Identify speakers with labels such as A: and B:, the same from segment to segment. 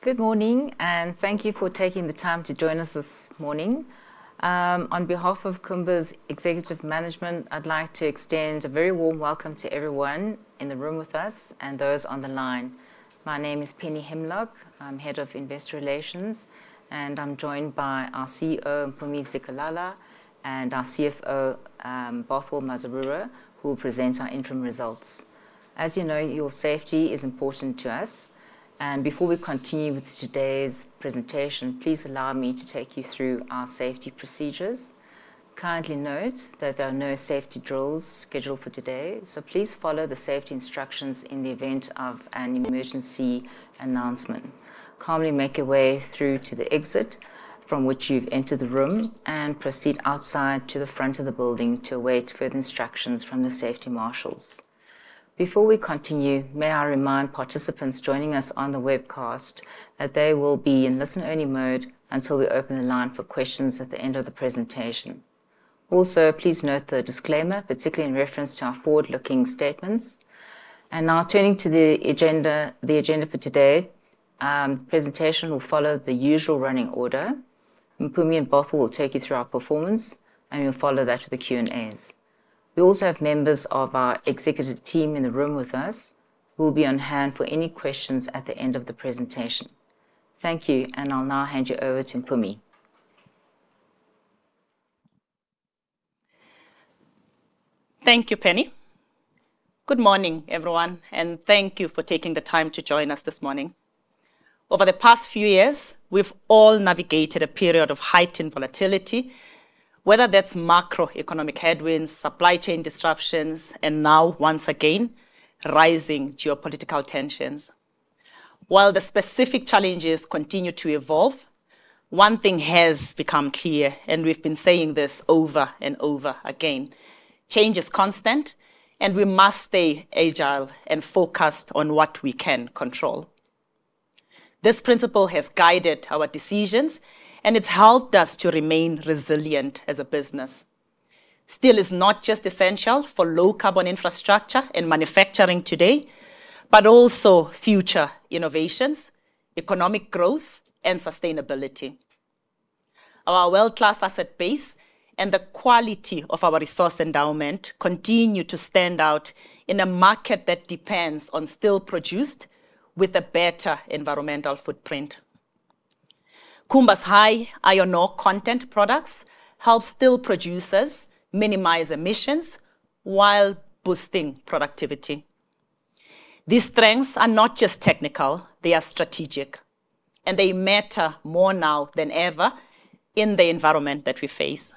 A: Good morning and thank you for taking the time to join us this morning. On behalf of Kumba's executive management, I'd like to extend a very warm welcome to everyone in the room with us and those on the line. My name is Penny Himlok, I'm Head of Investor Relations and I'm joined by our CEO, Mpumi Zikalala, and our CFO, Bothwell Mazarura, who will present our interim results. As you know, your safety is important to us. Before we continue with today's presentation, please allow me to take you through our safety procedures. Kindly note that there are no safety drills scheduled for today, so please follow the safety instructions. In the event of an emergency announcement, calmly make your way through to the exit from which you've entered the room and proceed outside to the front of the building to await further instructions from the safety marshals. Before we continue, may I remind participants joining us on the webcast that they will be in listen-only mode until we open the line for questions at the end of the presentation. Also, please note the disclaimer, particularly in reference to our forward-looking statements. Now turning to the agenda. The agenda for today's presentation will follow the usual running order. Mpumi and Bothwell will take you through our performance and we'll follow that with the Q&As. We also have members of our executive team in the room with us who will be on hand for any questions at the end of the presentation. Thank you. I'll now hand you over to Mpumi.
B: Thank you, Penny. Good morning everyone and thank you for taking the time to join us this morning. Over the past few years, we've all navigated a period of heightened volatility. Whether that's macroeconomic headwinds, supply chain disruptions, and now once again, rising geopolitical tensions. While the specific challenges continue to evolve, one thing has become clear, and we've been saying this over and over again. Change is constant and we must stay agile and focused on what we can control. This principle has guided our decisions and it's helped us to remain resilient as a business. Steel is not just essential for low carbon infrastructure and manufacturing today, but also future innovations, economic growth, and sustainability. Our world-class asset base and the quality of our resource endowment continue to stand out in a market that depends on steel produced with a better environmental footprint. Kumba's high iron ore content products help steel producers minimize emissions while boosting productivity. These strengths are not just technical, they are strategic and they matter more now than ever in the environment that we face.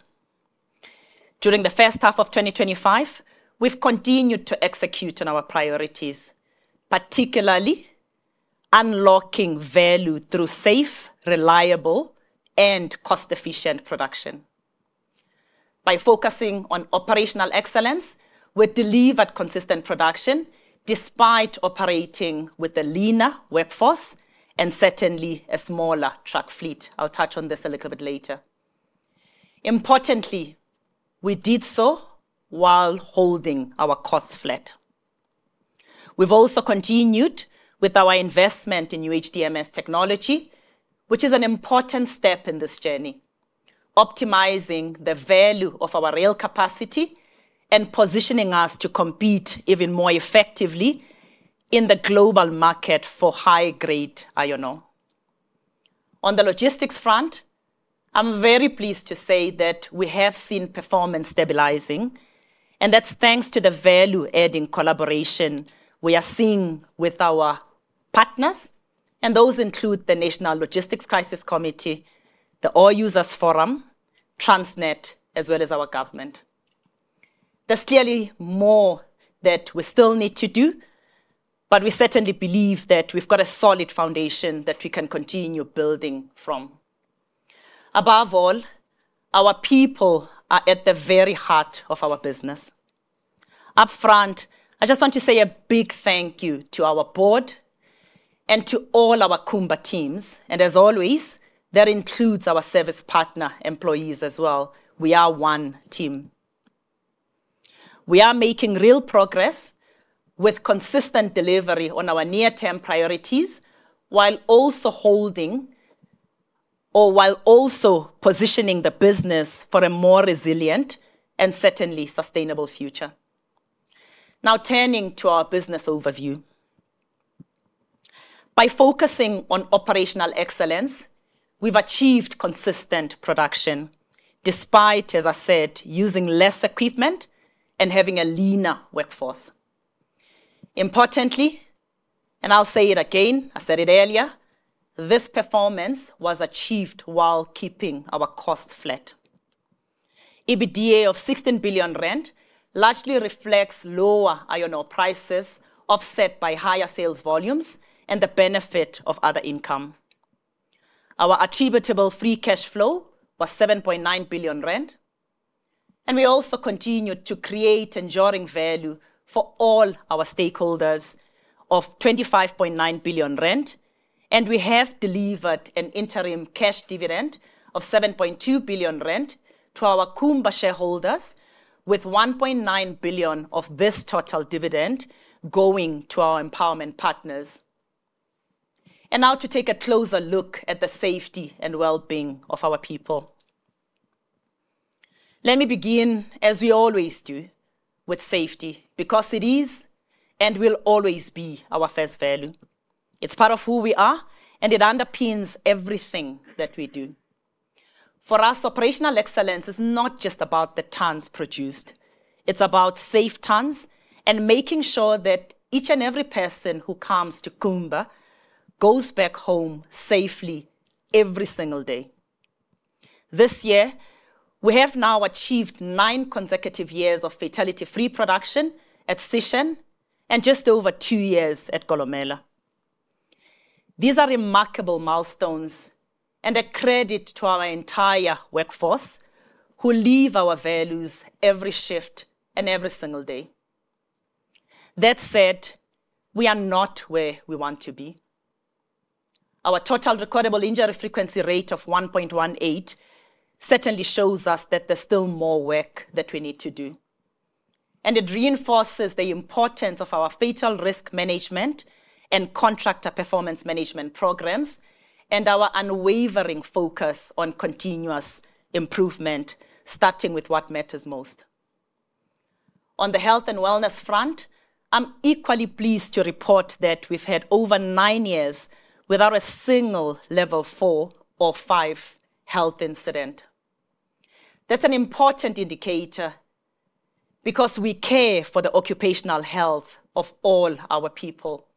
B: During the first half of 2025, we've continued to execute on our priorities, particularly unlocking value through safe, reliable, and cost efficient production. By focusing on operational excellence, we delivered consistent production despite operating with a leaner workforce and certainly a smaller truck fleet. I'll touch on this a little bit later. Importantly, we did so while holding our cost flat. We've also continued with our investment in UHDMS technology, which is an important step in this journey, optimizing the value of our rail capacity and positioning us to compete even more effectively in the global market for high grade iron ore. On the logistics front, I'm very pleased to say that we have seen performance stabilizing and that's thanks to the value adding collaboration we are seeing with our partners. Those include the National Logistics Crisis Committee, the Ore Users Forum, Transnet, as well as our government. There's clearly more that we still need to do, but we certainly believe that we've got a solid foundation that we can continue building from. Above all, our people are at the very heart of our business. Up front, I just want to say a big thank you to our board and to all our Kumba teams. As always, that includes our service partner employees as well. We are one team. We are making real progress with consistent delivery on our near-term priorities, while also positioning the business for a more resilient and certainly sustainable future. Now, turning to our business overview. By focusing on operational excellence, we've achieved consistent production despite, as I said, using less equipment and having a leaner workforce. Importantly, and I'll say it again, I said it earlier, this performance was achieved while keeping our costs flat. EBITDA of 16 billion largely reflects lower iron ore prices offset by higher sales volumes and the benefit of other income. Our attributable free cash flow was 7.9 billion rand and we also continue to create enduring value for all our stakeholders of 25.9 billion rand. We have delivered an interim cash dividend of 7.2 billion rand to our Kumba shareholders, with 1.9 billion of this total dividend going to our empowerment partners. Now to take a closer look at the safety and well-being of our people. Let me begin as we always do with safety, because it is and will always be our first value. It's part of who we are and it underpins everything that we do. For us, operational excellence is not just about the tons produced, it's about safe tons and making sure that each and every person who comes to Kumba goes back home safely every single day. This year we have now achieved nine consecutive years of fatality-free production at Sishen and just over two years at Kolomela. These are remarkable milestones and a credit to our entire workforce who live our values every shift and every single day. That said, we are not where we want to be. Our total recordable injury frequency rate of 1.18 certainly shows us that there's still more work that we need to do. It reinforces the importance of our fatal risk management and contractor performance management programs and our unwavering focus on continuous improvement, starting with what matters most. On the health and wellness front, I'm equally pleased to report that we've had over nine years without a single level four or five health incident. That's an important indicator because we care for the occupational health of all our people.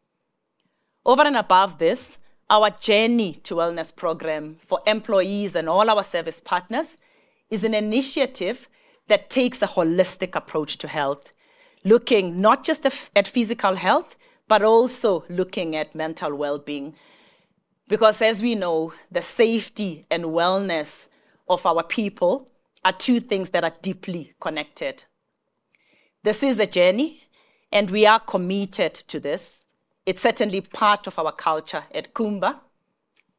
B: Over and above this, our Journey to Wellness program for employees and all our service partners is an initiative that takes a holistic approach to health, looking not just at physical health, but also looking at mental well-being. Because as we know, the safety and wellness of our people are two things that are deeply connected. This is a journey and we are committed to this. It's certainly part of our culture at Kumba.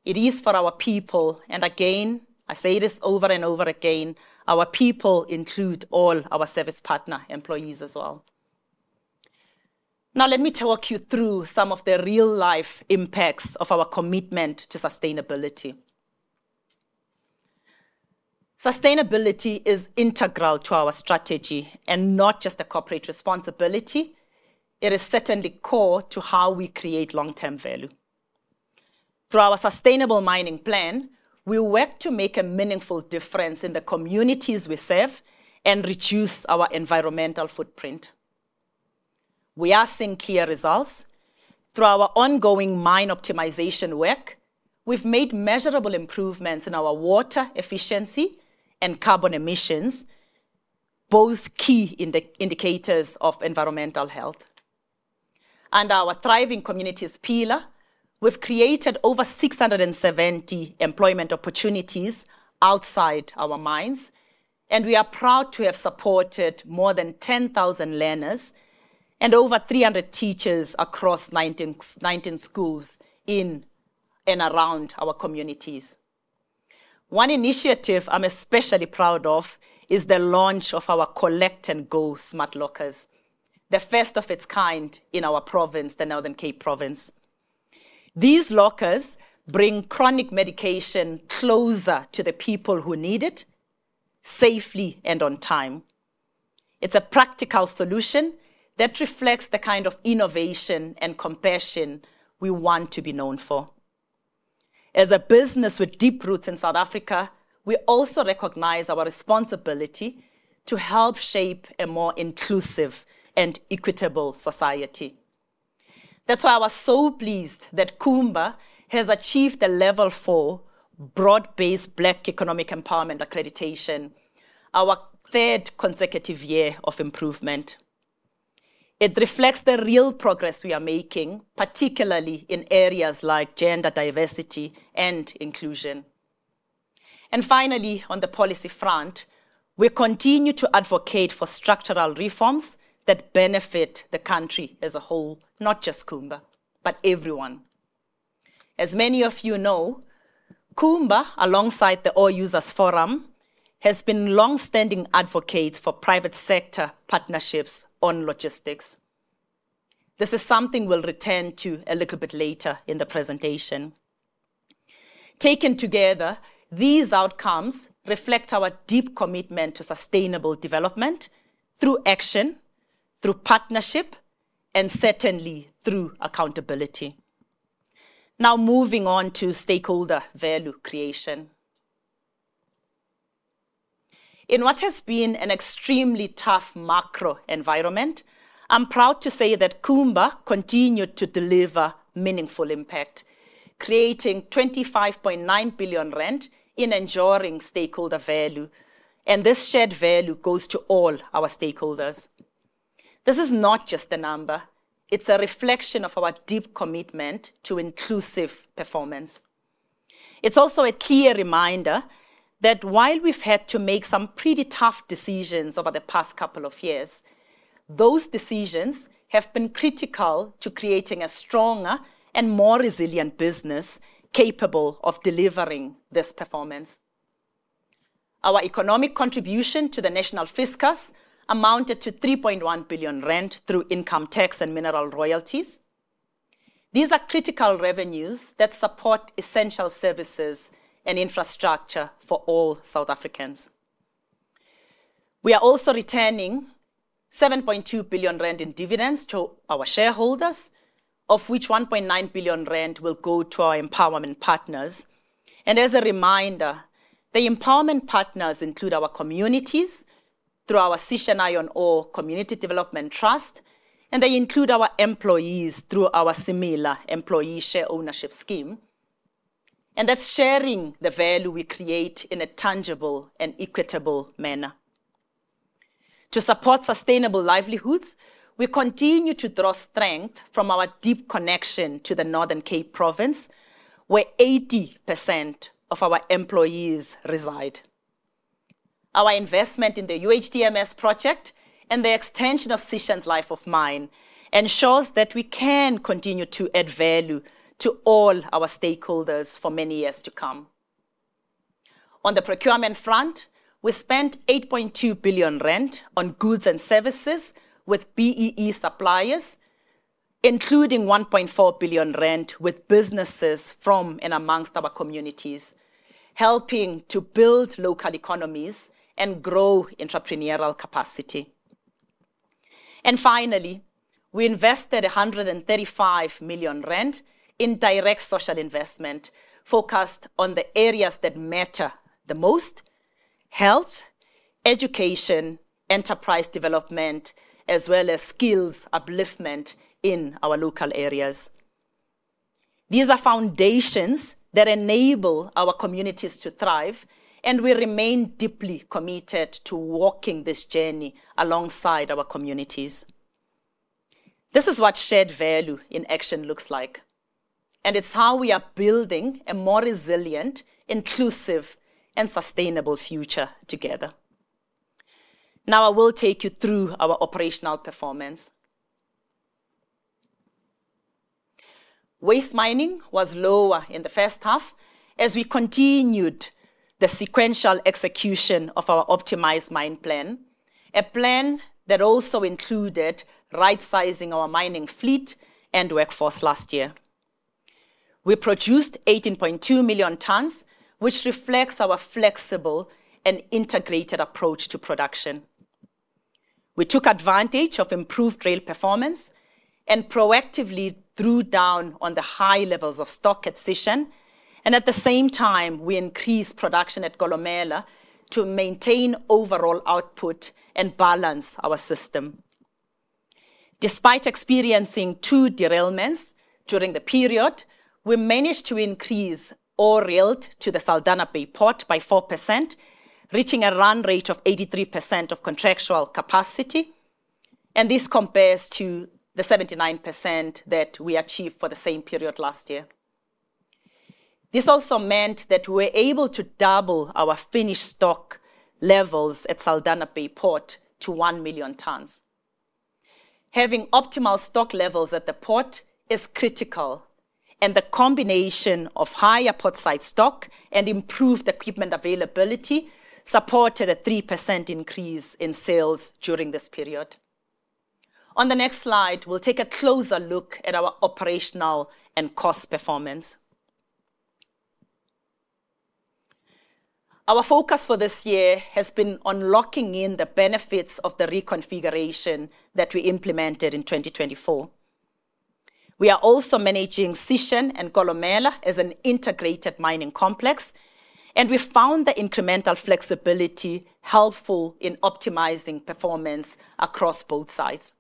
B: It is for our people. I say this over and over again. Our people include all our service partner employees as well. Now let me talk you through some of the real-life impacts of our commitment to sustainability. Sustainability is integral to our strategy and not just a corporate responsibility. It is certainly core to how we create long-term value. Through our sustainable mining plan, we work to make a meaningful difference in the communities we serve and reduce our environmental footprint. We are seeing clear results. Through our ongoing mine optimization work, we've made measurable improvements in our water efficiency and carbon emissions, both key indicators of environmental health. Under our thriving communities pillar, we've created over 670 employment opportunities outside our mines. We are proud to have supported more than 10,000 learners and over 300 teachers across 19 schools in and around our communities. One initiative I'm especially proud of is the launch of our Collect and Go Smart Lockers, the first of its kind in our province, the Northern Cape province. These lockers bring chronic medication closer to the people who need it safely and on time. It's a practical solution that reflects the kind of innovation and compassion we want to be known for. As a business with deep roots in South Africa, we also recognize our responsibility to help shape a more inclusive and equitable society. That's why I was so pleased that Kumba has achieved the Level 4 Broad-Based Black Economic Empowerment accreditation, our third consecutive year of improvement. It reflects the real progress we are making, particularly in areas like gender diversity and inclusion. Finally, on the policy front, we continue to advocate for structural reforms that benefit the country as a whole, not just Kumba, but everyone. As many of you know, Kumba alongside the Ore Users Forum has been longstanding advocates for private sector partnerships on logistics. This is something we'll return to a little bit later in the presentation. Taken together, these outcomes reflect our deep commitment to sustainable development through action, through partnership, and certainly through accountability. Now moving on to stakeholder value creation in what has been an extremely tough macro environment, I'm proud to say that Kumba continued to deliver meaningful impact, creating 25.9 billion rand in ensuring stakeholder value. This shared value goes to all our stakeholders. This is not just a number, it's a reflection of our deep commitment to inclusive performance. It's also a clear reminder that while we've had to make some pretty tough decisions over the past couple of years, those decisions have been critical to creating a stronger and more resilient business capable of delivering this performance. Our economic contribution to the national fiscus amounted to 3.1 billion rand through income tax and mineral royalties. These are critical revenues that support essential services and infrastructure for all South Africans. We are also returning 7.2 billion rand in dividends to our shareholders, of which 1.9 billion rand will go to our empowerment partners. As a reminder, the empowerment partners include our communities through our Sishen Iron Ore Community Development Trust. They include our employees through our Sishen Employee Share Ownership Scheme. That's sharing the value we create in a tangible and equitable manner to support sustainable livelihoods. We continue to draw strength from our deep connection to the Northern Cape province where 80% of our employees reside. Our investment in the UHDMS project and the extension of Sishen's life of mine ensures that we can continue to add value to all our stakeholders for many years to come. On the procurement front, we spent 8.2 billion on goods and services with B-BBEE suppliers, including 1.4 billion with businesses from and amongst our communities, helping to build local economies and grow entrepreneurial capacity. Finally, we invested 135 million rand in direct social investment focused on the areas that matter the most: health, education, enterprise development, as well as skills upliftment in our local areas. These are foundations that enable our communities to thrive and we remain deeply committed to walking this journey alongside our communities. This is what shared value in action looks like. It's how we are building a more resilient, inclusive, and sustainable future together. Now I will take you through our operational performance. Waste mining was lower in the first half as we continued the sequential execution of our optimized mine plan, a plan that also included rightsizing our mining fleet and workforce. Last year we produced 18.2 million tons, which reflects our flexible and integrated approach to production. We took advantage of improved rail performance and proactively drew down on the high levels of stock excision. At the same time, we increased production at Kolomela to maintain overall output and balance our system. Despite experiencing two derailments during the period, we managed to increase ore railed to the Saldanha Bay Port by 4%, reaching a run rate of 83% of contractual capacity. This compares to the 79% that we achieved for the same period last year. This also meant that we were able to double our finished stock levels at Saldanha Bay Port to 1 million tons. Having optimal stock levels at the port is critical, and the combination of higher port site stock and improved equipment availability supported a 3% increase in sales during this period. On the next slide, we'll take a closer look at our operational and cost performance. Our focus for this year has been on locking in the benefits of the reconfiguration that we implemented in 2024. We are also managing Sishen and Kolomela as an integrated mining complex, and we found the incremental flexibility helpful in optimizing performance across both sites.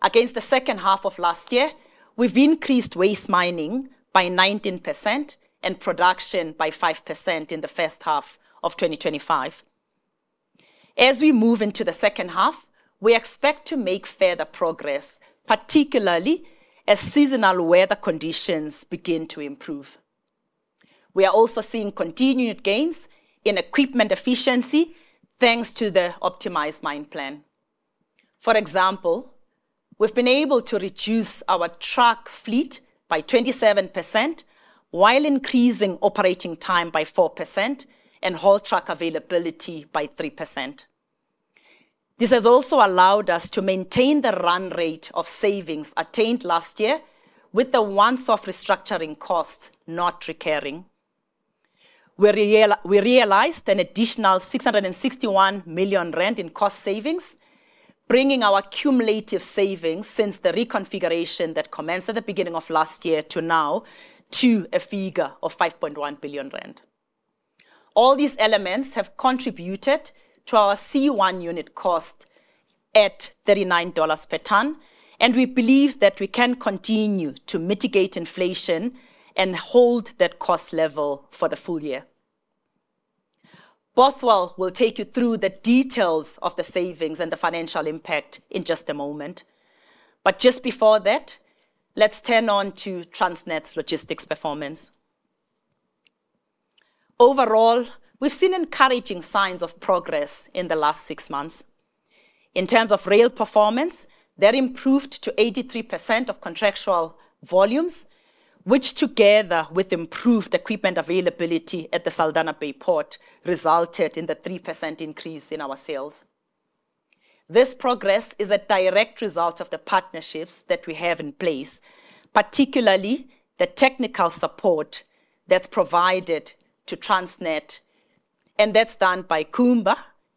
B: Against the second half of last year, we've increased waste mining by 19% and production by 5% in the first half of 2025. As we move into the second half, we expect to make further progress, particularly as seasonal weather conditions begin to improve. We are also seeing continued gains in equipment efficiency thanks to the optimized mine plan. For example, we've been able to reduce our truck fleet by 27% while increasing operating time by 4% and haul truck availability by 3%. This has also allowed us to maintain the run rate of savings attained last year. With the once-off restructuring costs not recurring, we realized an additional 661 million rand in cost savings, bringing our cumulative savings since the reconfiguration that commenced at the beginning of last year to now to a figure of 5.1 billion rand. All these elements have contributed to our C1 unit cost at $39 per ton, and we believe that we can continue to mitigate inflation and hold that cost level for the full year. Bothwell will take you through the details of the savings and the financial impact in just a moment. Just before that, let's turn on to Transnet's logistics performance. Overall, we've seen encouraging signs of progress in the last six months in terms of rail performance that improved to 83% of contractual volumes, which together with improved equipment availability at the Saldanha Bay port resulted in the 3% increase in our sales. This progress is a direct result of the partnerships that we have in place, particularly the technical support that's provided to Transnet and that's done by Kumba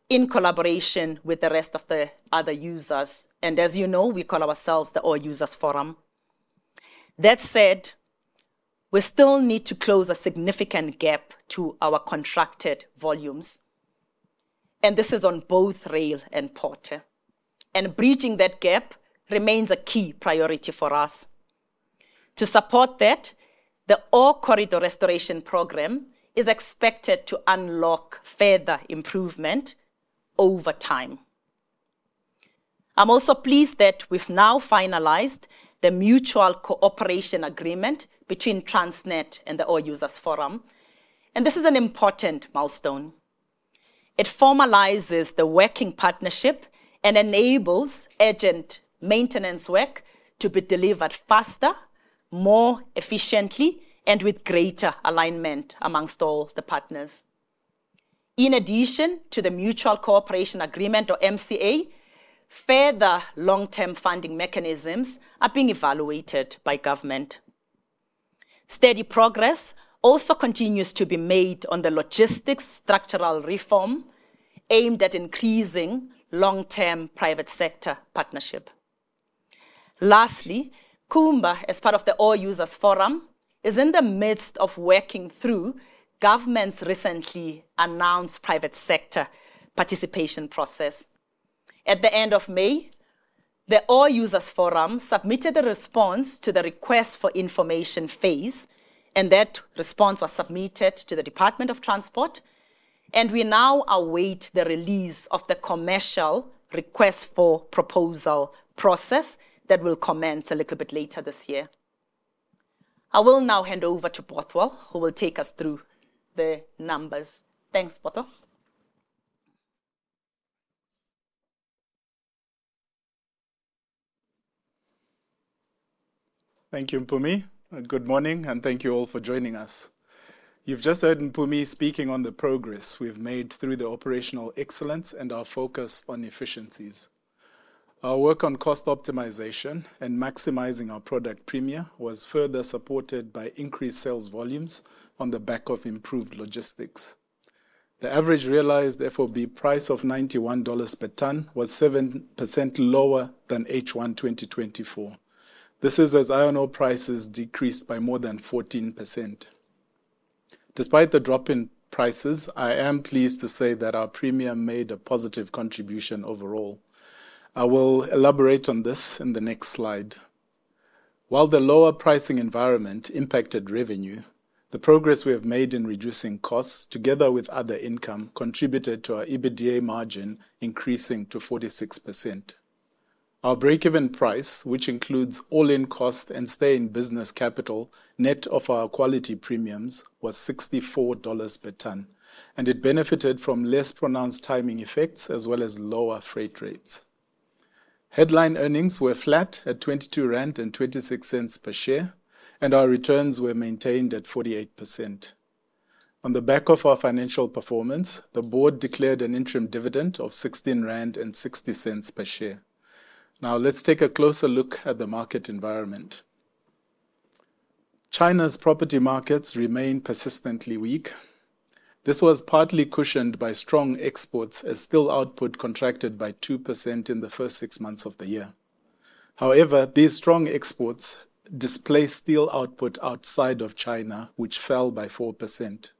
B: in collaboration with the rest of the other users. As you know, we call ourselves the Ore Users Forum. That said, we still need to close a significant gap to our contracted volumes and this is on both rail and port, and bridging that gap remains a key priority for us. To support that, the O Corridor restoration program is expected to unlock further improvement over time. I'm also pleased that we've now finalized the mutual cooperation agreement between Transnet and the Ore Users Forum and this is an important milestone. It formalizes the working partnership and enables urgent maintenance work to be delivered faster, more efficiently, and with greater alignment amongst all the partners. In addition to the mutual cooperation agreement, or MCA, further long-term funding mechanisms are being evaluated by government. Steady progress also continues to be made on the logistics structural reform aimed at increasing long-term private sector partnership. Lastly, Kumba, as part of the Ore Users Forum, is in the midst of working through government's recently announced private sector participation process. At the end of May, the Ore Users Forum submitted a response to the request for information phase and that response was submitted to the Department of Transport. We now await the release of the commercial request for proposal process that will commence a little bit later this year. I will now hand over to Bothwell who will take us through the numbers. Thanks, Bothwell.
C: Thank you, Mpumi. Good morning and thank you all for joining us. You've just heard Mpumi speaking on the progress we've made through the operational excellence and our focus on efficiencies. Our work on cost optimization and maximizing our product premia was further supported by increased sales volumes on the back of improved logistics. The average realized FOB price of $91 per ton was 7% lower than H1 2024. This is as iron ore prices decreased by more than 14%. Despite the drop in prices, I am pleased to say that our premium made a positive contribution overall. I will elaborate on this in the next slide. While the lower pricing environment impacted revenue, the progress we have made in reducing costs together with other income contributed to our EBITDA margin increasing to 46%. Our breakeven price, which includes all-in cost and stay-in-business capital net of our quality premia, was $64 per ton and it benefited from less pronounced timing effects as well as lower freight rates. Headline earnings were flat at $0.2226 per share and our returns were maintained at 48%. On the back of our financial performance, the Board declared an interim dividend of 16.60 rand per share. Now let's take a closer look at the market environment. China's property markets remain persistently weak. This was partly cushioned by strong exports as steel output contracted by 2% in the first six months of the year. However, these strong exports displaced steel output outside of China, which fell by 4%.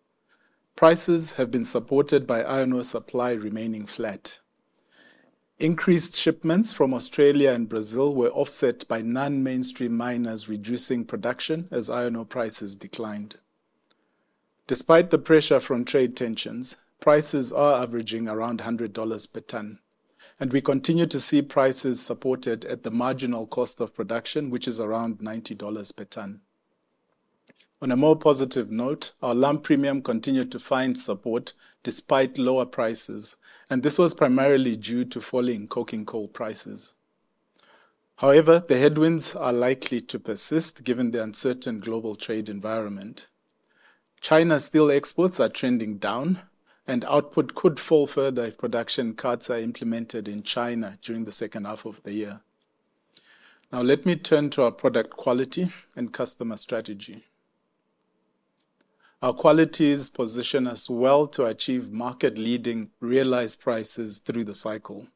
C: Prices have been supported by iron ore supply remaining flat. Increased shipments from Australia and Brazil were offset by non-mainstream miners reducing production as iron ore prices declined. Despite the pressure from trade tensions, prices are averaging around $100 per ton and we continue to see prices supported at the marginal cost of production, which is around $90 per ton. On a more positive note, our lump premium continued to find support despite lower prices and this was primarily due to falling coking coal prices. However, the headwinds are likely to persist given the uncertain global trade environment. China steel exports are trending down and output could fall further if production cuts are implemented in China during the second half of the year. Now let me turn to our product quality and customer strategy. Our qualities position us well to achieve market-leading realized prices through the cycle.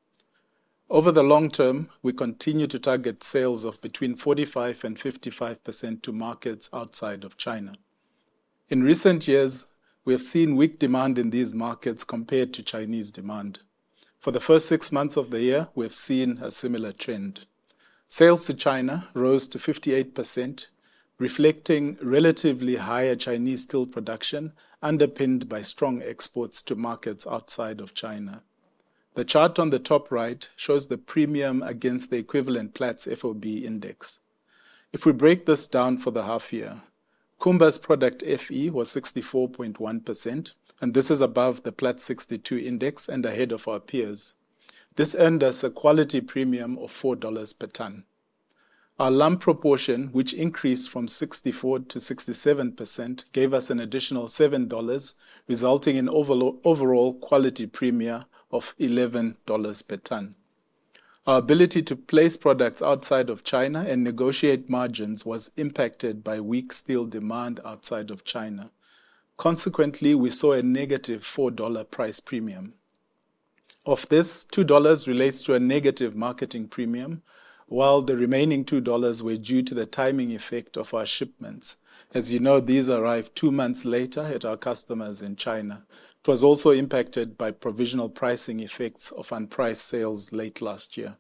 C: Over the long term, we continue to target sales of between 45% and 55% to markets outside of China. In recent years, we have seen weak demand in these markets compared to Chinese demand. For the first six months of the year, we have seen a similar trend. Sales to China rose to 58%, reflecting relatively higher Chinese steel production underpinned by strong exports to markets outside of China. The chart on the top right shows the premium against the equivalent Platts FOB index. If we break this down for the half year, Kumba's product FE was 64.1%, and this is above the Platts 62 index and ahead of our peers. This earned us a quality premium of $4 per ton. Our lump proportion, which increased from 64% to 67%, gave us an additional $7, resulting in overall quality premia of $11 per ton. Our ability to place products outside of China and negotiate margins was impacted by weak steel demand outside of China. Consequently, we saw a negative $4 price premium. Of this, $2 relates to a negative marketing premium, while the remaining $2 were due to the timing effect of our shipments. As you know, these arrived two months later at our customers in China. It was also impacted by provisional pricing effects of unpriced sales late last year.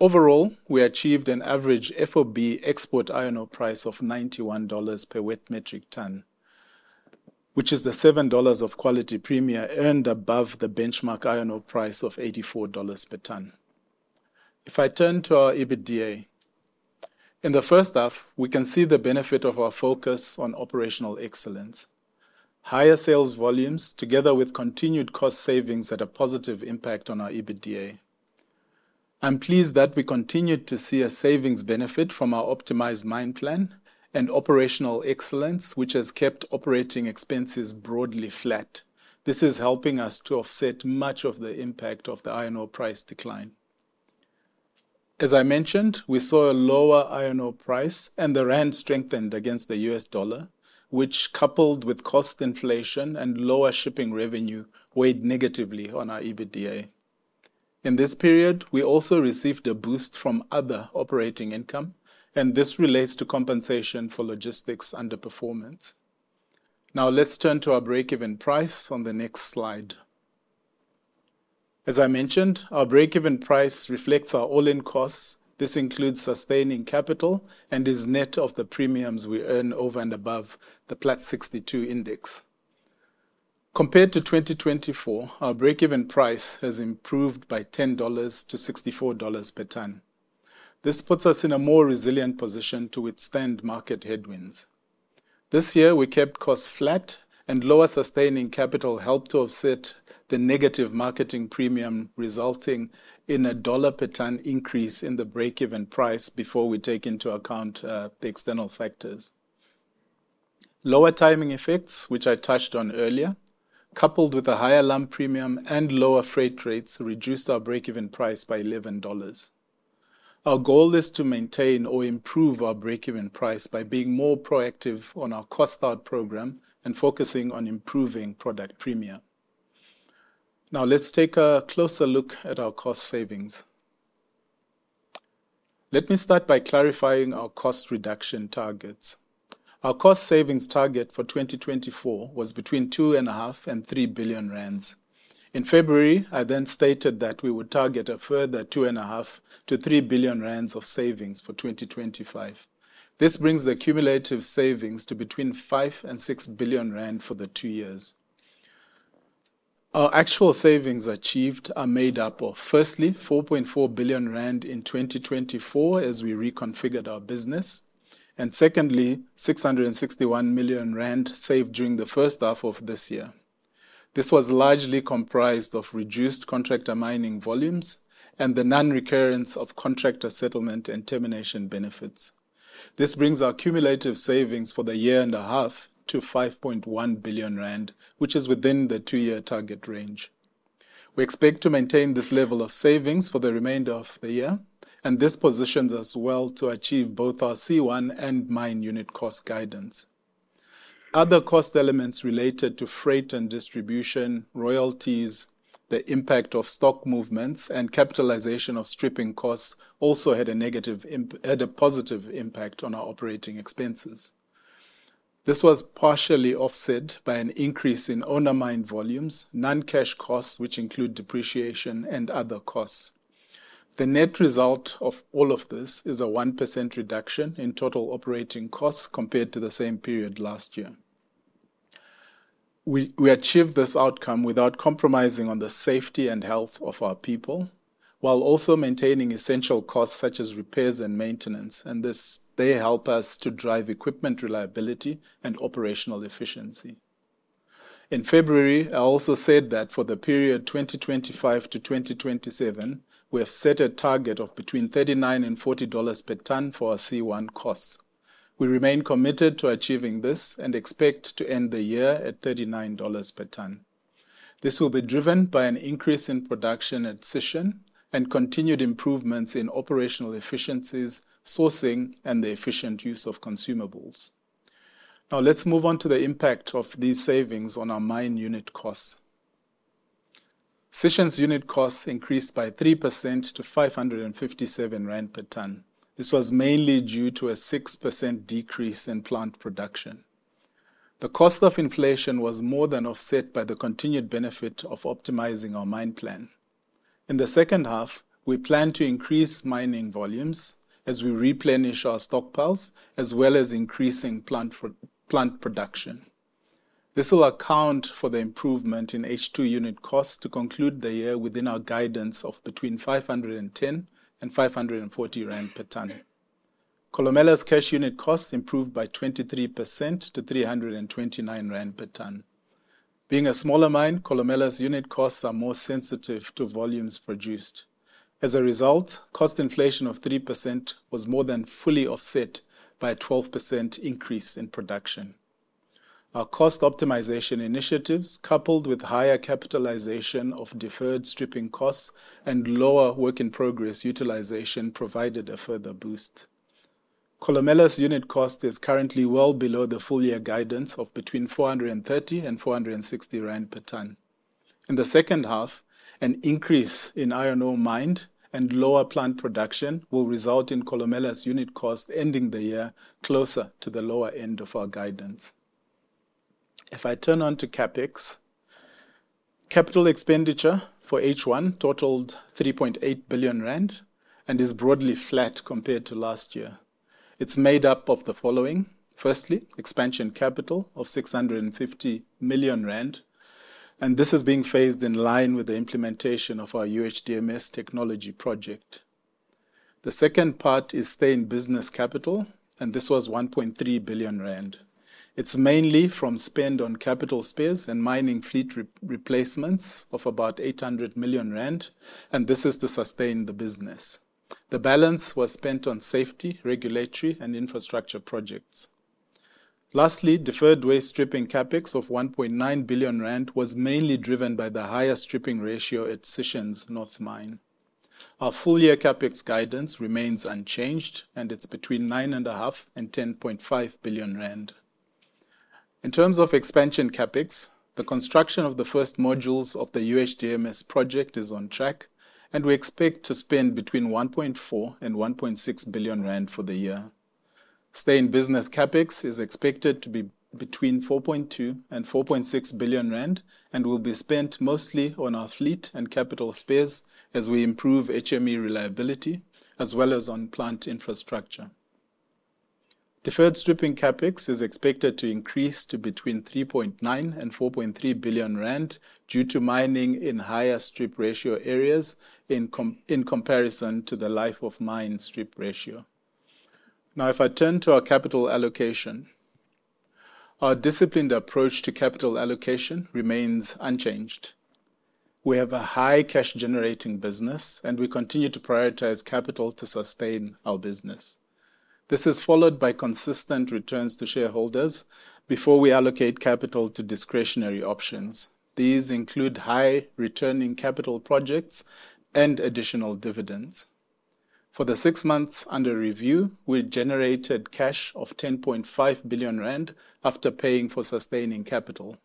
C: Overall, we achieved an average FOB export iron ore price of $91 per wet metric ton, which is the $7 of quality premia earned above the benchmark iron ore price of $84 per ton. If I turn to our EBITDA in the first half, we can see the benefit of our focus on operational excellence. Higher sales volumes together with continued cost savings had a positive impact on our EBITDA. I'm pleased that we continued to see a savings benefit from our optimized mine plan and operational excellence, which has kept operating expenses broadly flat. This is helping us to offset much of the impact of the iron ore price decline. As I mentioned, we saw a lower iron ore price and the rand strengthened against the US dollar, which coupled with cost inflation and lower shipping revenue weighed negatively on our EBITDA in this period. We also received a boost from other operating income, and this relates to compensation for logistics underperformance. Now let's turn to our breakeven price on the next slide. As I mentioned, our breakeven price reflects our all-in costs. This includes sustaining capital and is net of the premiums we earn over and above the Platts 62 index. Compared to 2024, our breakeven price has improved by $10 to $64 per ton. This puts us in a more resilient position to withstand market headwinds. This year we kept costs flat and lower. Sustaining capital helped to offset the negative marketing premium, resulting in a dollar per ton increase in the breakeven price. Before we take into account the external factors, lower timing effects which I touched on earlier, coupled with a higher lump premium and lower freight rates, reduced our breakeven price by $11. Our goal is to maintain or improve our breakeven price by being more proactive on our cost out program and focusing on improving product premium. Now let's take a closer look at our cost savings. Let me start by clarifying our cost reduction targets. Our cost savings target for 2024 was between 2.5 billion and 3 billion rand in February. I then stated that we would target a further 2.5 billion-3 billion rand of savings for 2025. This brings the cumulative savings to between 5 billion and 6 billion rand for the two years. Our actual savings achieved are made up of, firstly, 4.4 billion rand in 2024 as we reconfigured our business, and secondly, 661 million rand saved during the first half of this year. This was largely comprised of reduced contractor mining volumes and the non-recurrence of contractor settlement and termination benefits. This brings our cumulative savings for the year and a half to 5.1 billion rand, which is within the two-year target range. We expect to maintain this level of savings for the remainder of the year, and this positions us well to achieve both our C1 and mine unit cost guidance. Other cost elements related to freight and distribution, royalties, the impact of stock movements, and capitalization of stripping costs also had a positive impact on our operating expenses. This was partially offset by an increase in owner mine volumes, non-cash costs which include depreciation and other costs. The net result of all of this is a 1% reduction in total operating costs compared to the same period last year. We achieved this outcome without compromising on the safety and health of our people while also maintaining essential costs such as repairs and maintenance, and they help us to drive equipment reliability and operational efficiency. In February I also said that for the period 2025 to 2027 we have set a target of between $39 and $40 per ton for our C1 costs. We remain committed to achieving this and expect to end the year at $39 per ton. This will be driven by an increase in production at Sishen and continued improvements in operational efficiencies, sourcing, and the efficient use of consumables. Now let's move on to the impact of these savings on our mine unit costs sessions. Unit costs increased by 3% to 557 rand per ton. This was mainly due to a 6% decrease in plant production. The cost of inflation was more than offset by the continued benefit of optimizing our mine plan. In the second half, we plan to increase mining volumes as we replenish our stockpiles as well as increasing plant production. This will account for the improvement in H2 unit costs to conclude the year within our guidance of between 510 and 540 rand per ton. Kolomela's cash unit costs improved by 23% to 329 rand per ton. Being a smaller mine, Kolomela's unit costs are more sensitive to volumes produced. As a result, cost inflation of 3% was more than fully offset by a 12% increase in production. Our cost optimization initiatives, coupled with higher capitalization of deferred stripping costs and lower work in progress utilization, provided a further boost. Kolomela's unit cost is currently well below the full year guidance of between 430 and 460 rand per ton. In the second half, an increase in iron ore mined and lower plant production will result in Kolomela's unit cost ending the year closer to the lower end of our guidance. If I turn on to CapEx, capital expenditure for H1 totaled 3.8 billion rand and is broadly flat compared to last year. It's made up of the following: firstly, expansion capital of 650 million rand and this is being phased in line with the implementation of our UHDMS technology project. The second part is stay-in-business capital and this was 1.3 billion rand. It's mainly from spend on capital spares and mining fleet replacements of about 800 million rand and this is to sustain the business. The balance was spent on safety, regulatory, and infrastructure projects. Lastly, deferred waste stripping CapEx of 1.9 billion rand was mainly driven by the higher stripping ratio at Sishen's North mine. Our full year CapEx guidance remains unchanged and it's between 9.5 and 10.5 billion rand. In terms of expansion CapEx, the construction of the first modules of the UHDMS project is on track and we expect to spend between 1.4 and 1.6 billion rand for the year. Stay-in-business CapEx is expected to be between 4.2 billion and 4.6 billion rand and will be spent mostly on our fleet and capital spares as we improve HME reliability as well as on plant infrastructure. Deferred stripping CapEx is expected to increase to between 3.9 billion and 4.3 billion rand due to mining in higher strip ratio areas in comparison to the life-of-mine strip ratio. Now, if I turn to our capital allocation, our disciplined approach to capital allocation remains unchanged. We have a high cash-generating business and we continue to prioritize capital to sustain our business. This is followed by consistent returns to shareholders before we allocate capital to discretionary options. These include high-returning capital projects and additional dividends. For the six months under review, we generated cash of 10.5 billion rand. After paying for sustaining capital,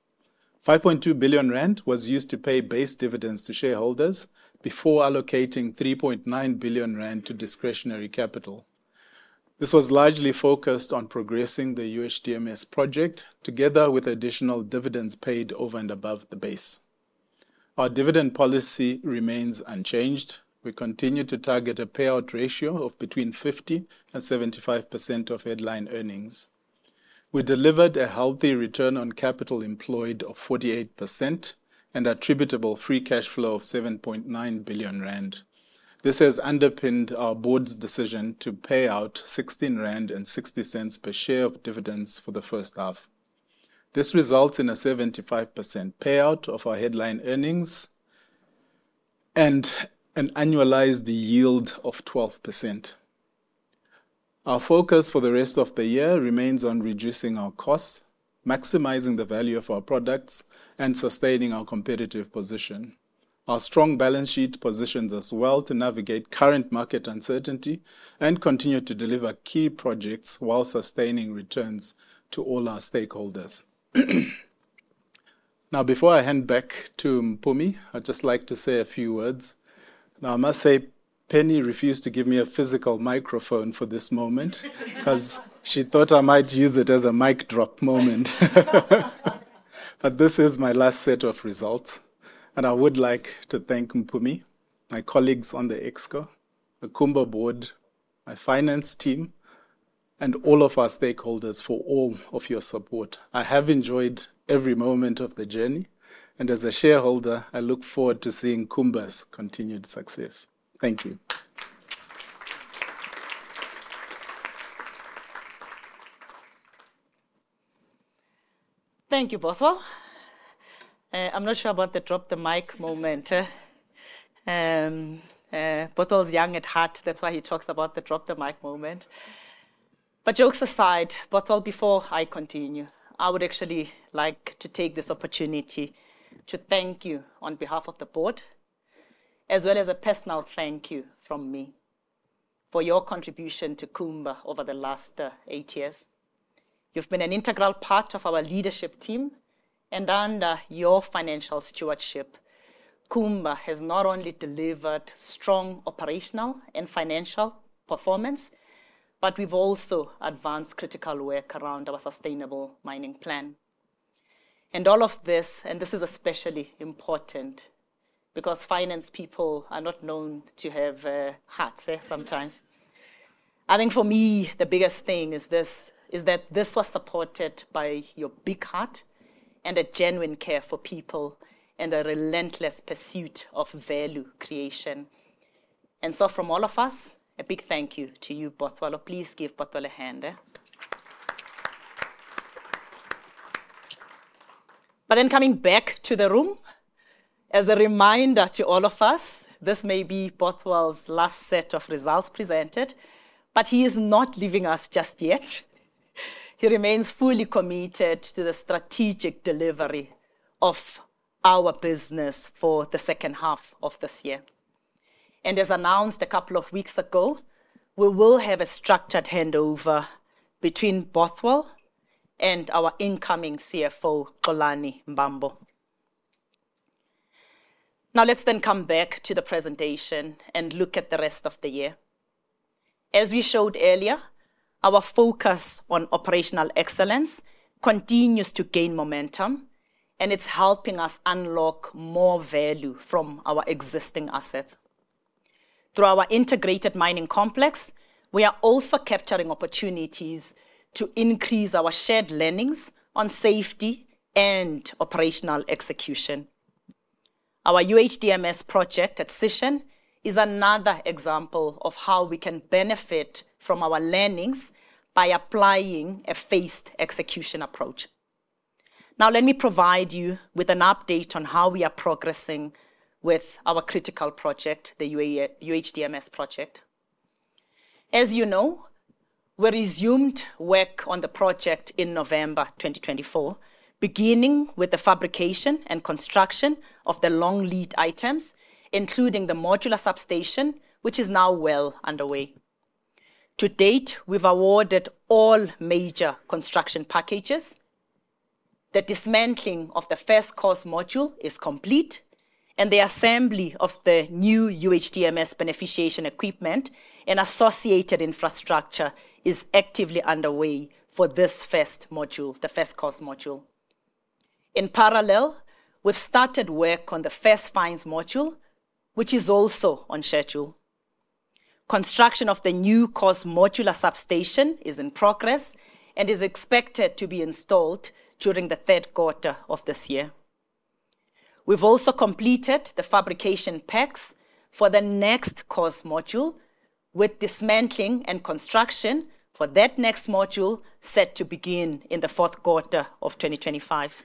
C: 5.2 billion rand was used to pay base dividends to shareholders before allocating 3.9 billion rand to discretionary capital. This was largely focused on progressing the UHDMS project together with additional dividends paid over and above the base. Our dividend policy remains unchanged. We continue to target a payout ratio of between 50% and 75% of headline earnings. We delivered a healthy return on capital employed of 48% and attributable free cash flow of 7.9 billion rand. This has underpinned our board's decision to pay out 16.60 rand per share of dividends for the first half. This results in a 75% payout of our headline earnings and an annualized yield of 12%. Our focus for the rest of the year remains on reducing our costs, maximizing the value of our products, and sustaining our competitive position. Our strong balance sheet positions us well to navigate current market uncertainty and continue to deliver key projects while sustaining returns to all our stakeholders. Now, before I hand back to Mpumi, I'd just like to say a few words. I must say Penny refused to give me a physical microphone for this moment because she thought I might use it as a mic drop moment. This is my last set of results and I would like to thank Mpumi, my colleagues on the ExCo, the Kumba board, my finance team, and all of our stakeholders for all of your support. I have enjoyed every moment of the journey and as a shareholder, I look forward to seeing Kumba's continued success. Thank you.
B: Thank you, Bothwell. I'm not sure about the drop the mic moment. Bothwell's young at heart. That's why he talks about the drop the mic moment. Jokes aside, Bothwell, before I continue, I would actually like to take this opportunity to thank you on behalf of the board, as well as a personal thank you from me for your contribution to Kumba over the last eight years. You've been an integral part of our leadership team, and under your financial stewardship, Kumba has not only delivered strong operational and financial performance, but we've also advanced critical work around our sustainable mining plan. This is especially important because finance people are not known to have hearts. Sometimes I think for me, the biggest thing is this, is that this was supported by your big heart and a genuine care for people and a relentless pursuit of value creation. From all of us, a big thank you to you, Bothwell. Please give Bothwell a hand. Coming back to the room, as a reminder to all of us, this may be Bothwell's last set of results presented, but he is not leaving us just yet. He remains fully committed to the strategic delivery of our business for the second half of this year. As announced a couple of weeks ago, we will have a structured handover between Bothwell and our incoming CFO, Kolani Mbambo. Now, let's then come back to the presentation and look at the rest of the year. As we showed earlier, our focus on operational excellence continues to gain momentum and it's helping us unlock more value from our existing assets through our integrated mining complex. We are also capturing opportunities to increase our shared learnings on safety and operational execution. Our UHDMS project at Sishen is another example of how we can benefit from our learnings by applying a phased execution approach. Let me provide you with an update on how we are progressing with our critical project, the UHDMS project. As you know, we resumed work on the project in November 2024, beginning with the fabrication and construction of the long lead items, including the modular substation, which is now well underway. To date, we've awarded all major construction packages. The dismantling of the first coarse module is complete and the assembly of the new UHDMS beneficiation equipment and associated infrastructure is actively underway for this first module, the first coarse module. In parallel, we've started work on the first FINES module, which is also on schedule. Construction of the new COS modular substation is in progress and is expected to be installed during the third quarter of this year. We've also completed the fabrication packs for the next COS module, with dismantling and construction for that next module set to begin in the fourth quarter of 2025.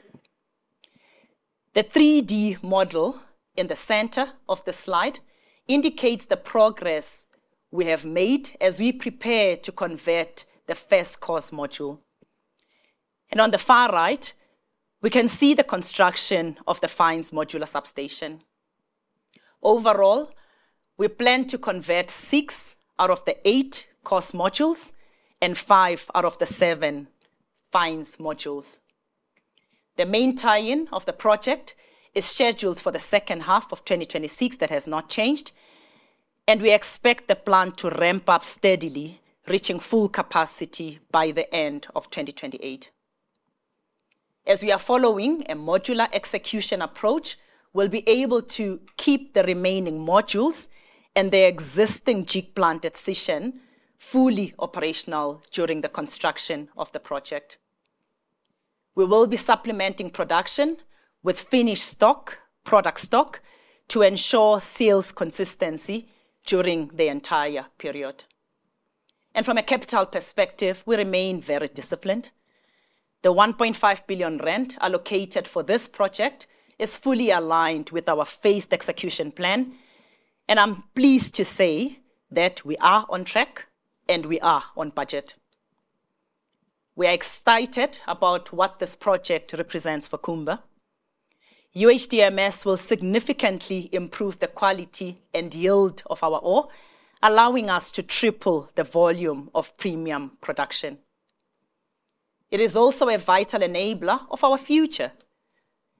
B: The 3D model in the center of the slide indicates the progress we have made as we prepare to convert the first COS module, and on the far right we can see the construction of the FINES modular substation. Overall, we plan to convert six out of the eight COS modules and five out of the seven FINES modules. The main tie-in of the project is scheduled for the second half of 2026. That has not changed, and we expect the plant to ramp up steadily, reaching full capacity by the end of 2028. As we are following a modular execution approach, we'll be able to keep the remaining modules and the existing Jig plant section fully operational. During the construction of the project, we will be supplementing production with finished product stock to ensure sales consistency during the entire period, and from a capital perspective, we remain very disciplined. The 1.5 billion allocated for this project is fully aligned with our phased execution plan, and I'm pleased to say that we are on track and we are on budget. We are excited about what this project represents for Kumba. UHDMS will significantly improve the quality and yield of our ore, allowing us to triple the volume of premium product output. It is also a vital enabler of our future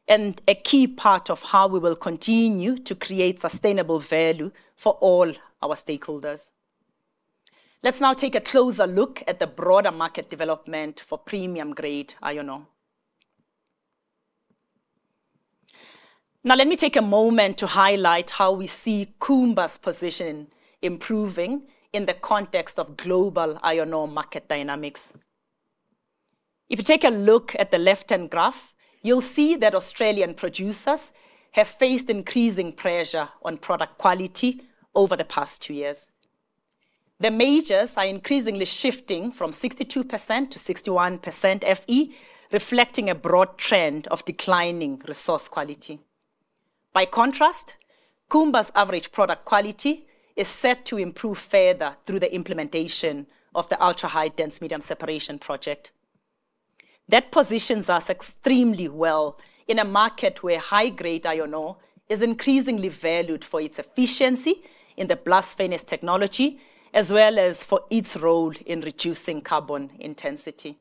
B: and a key part of how we will continue to create sustainable value for all our stakeholders. Let's now take a closer look at the broader market development for premium grade iron ore. Now let me take a moment to highlight how we see Kumba's position improving in the context of global iron ore market dynamics. If you take a look at the left-hand graph, you'll see that Australian producers have faced increasing pressure on product quality over the past two years. The majors are increasingly shifting from 62% to 61% Fe, reflecting a broad trend of declining resource quality. By contrast, Kumba's average product quality is set to improve further through the implementation of the Ultra-High Dense Media Separation project. That positions us extremely well in a market where high grade iron ore is increasingly valued for its efficiency in the blast furnace technology as well as for its role in reducing carbon intensity.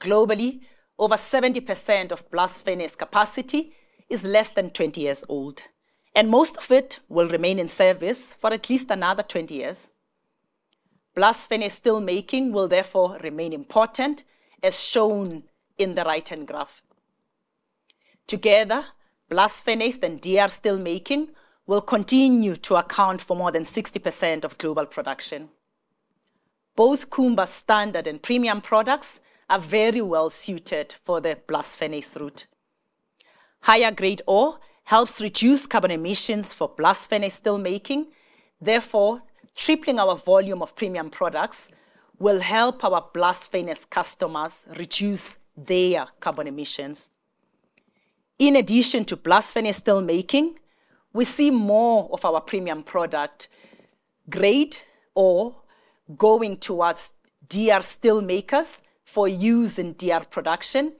B: Globally, over 70% of blast furnace capacity is less than 20 years old and most of it will remain in service for at least another 20 years. Blast furnace steelmaking will therefore remain important. As shown in the right hand graph together, blast furnace and DRI steelmaking will continue to account for more than 60% of global production. Both Kumba standard and premium products are very well suited for the blast furnace route. Higher grade ore helps reduce carbon emissions for blast furnace steelmaking. Therefore, tripling our volume of premium products will help our blast furnace customers reduce their carbon emissions. In addition to blast furnace steelmaking, we see more of our premium product grade ore going towards DRI steelmakers for use in DRI production,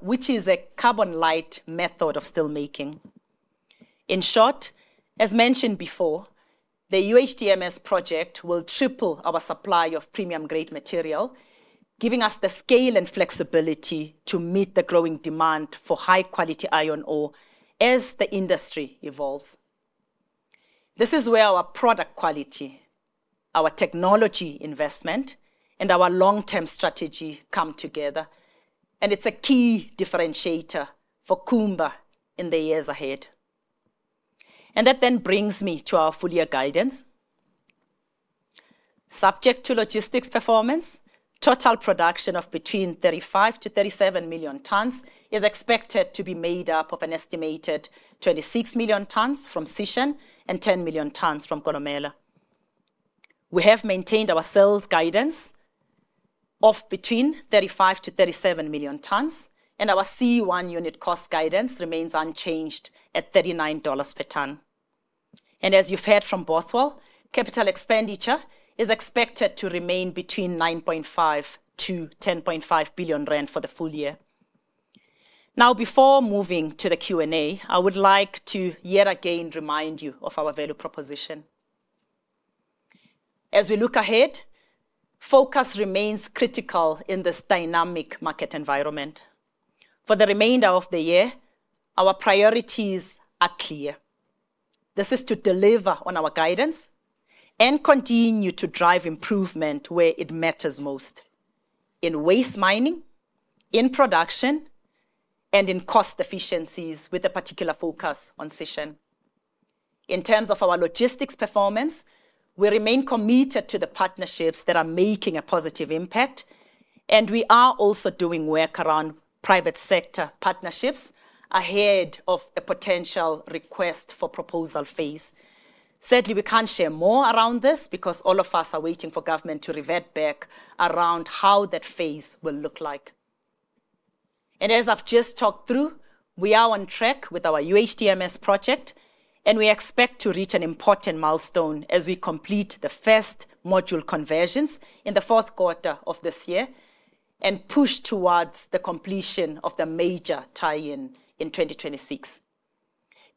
B: which is a carbon light method of steelmaking. In short, as mentioned before, the UHDMS project will triple our supply of premium grade material, giving us the scale and flexibility to meet the growing demand for high quality iron ore as the industry evolves. This is where our product quality, our technology investment and our long term strategy come together and it's a key differentiator for Kumba in the years ahead. That then brings me to our full year guidance. Subject to logistics performance, total production of between 35 million to 37 million tons is expected to be made up of an estimated 26 million tons from Sishen and 10 million tons from Kolomela. We have maintained our sales guidance of between 35 million to 37 million tons and our C1 unit cost guidance remains unchanged at $39 per ton. As you've heard from Bothwell, capital expenditure is expected to remain between 9.5 to 10.5 billion rand for the full year. Now before moving to the Q and A, I would like to yet again remind you of our value proposition as we look ahead. Focus remains critical in this dynamic market environment for the remainder of the year. Our priorities are clear. This is to deliver on our guidance and continue to drive improvement where it matters most, in waste mining, in production and in cost efficiencies, with a particular focus on in terms of our logistics performance. We remain committed to the partnerships that are making a positive impact, and we are also doing work around private sector partnerships ahead of a potential request for proposal phase. Sadly, we can't share more around this because all of us are waiting for government to revert back around how that phase will look like. As I've just talked through, we are on track with our UHDMS project, and we expect to reach an important milestone as we complete the first module conversions in the fourth quarter of this year and push towards the completion of the major tie-in in 2026.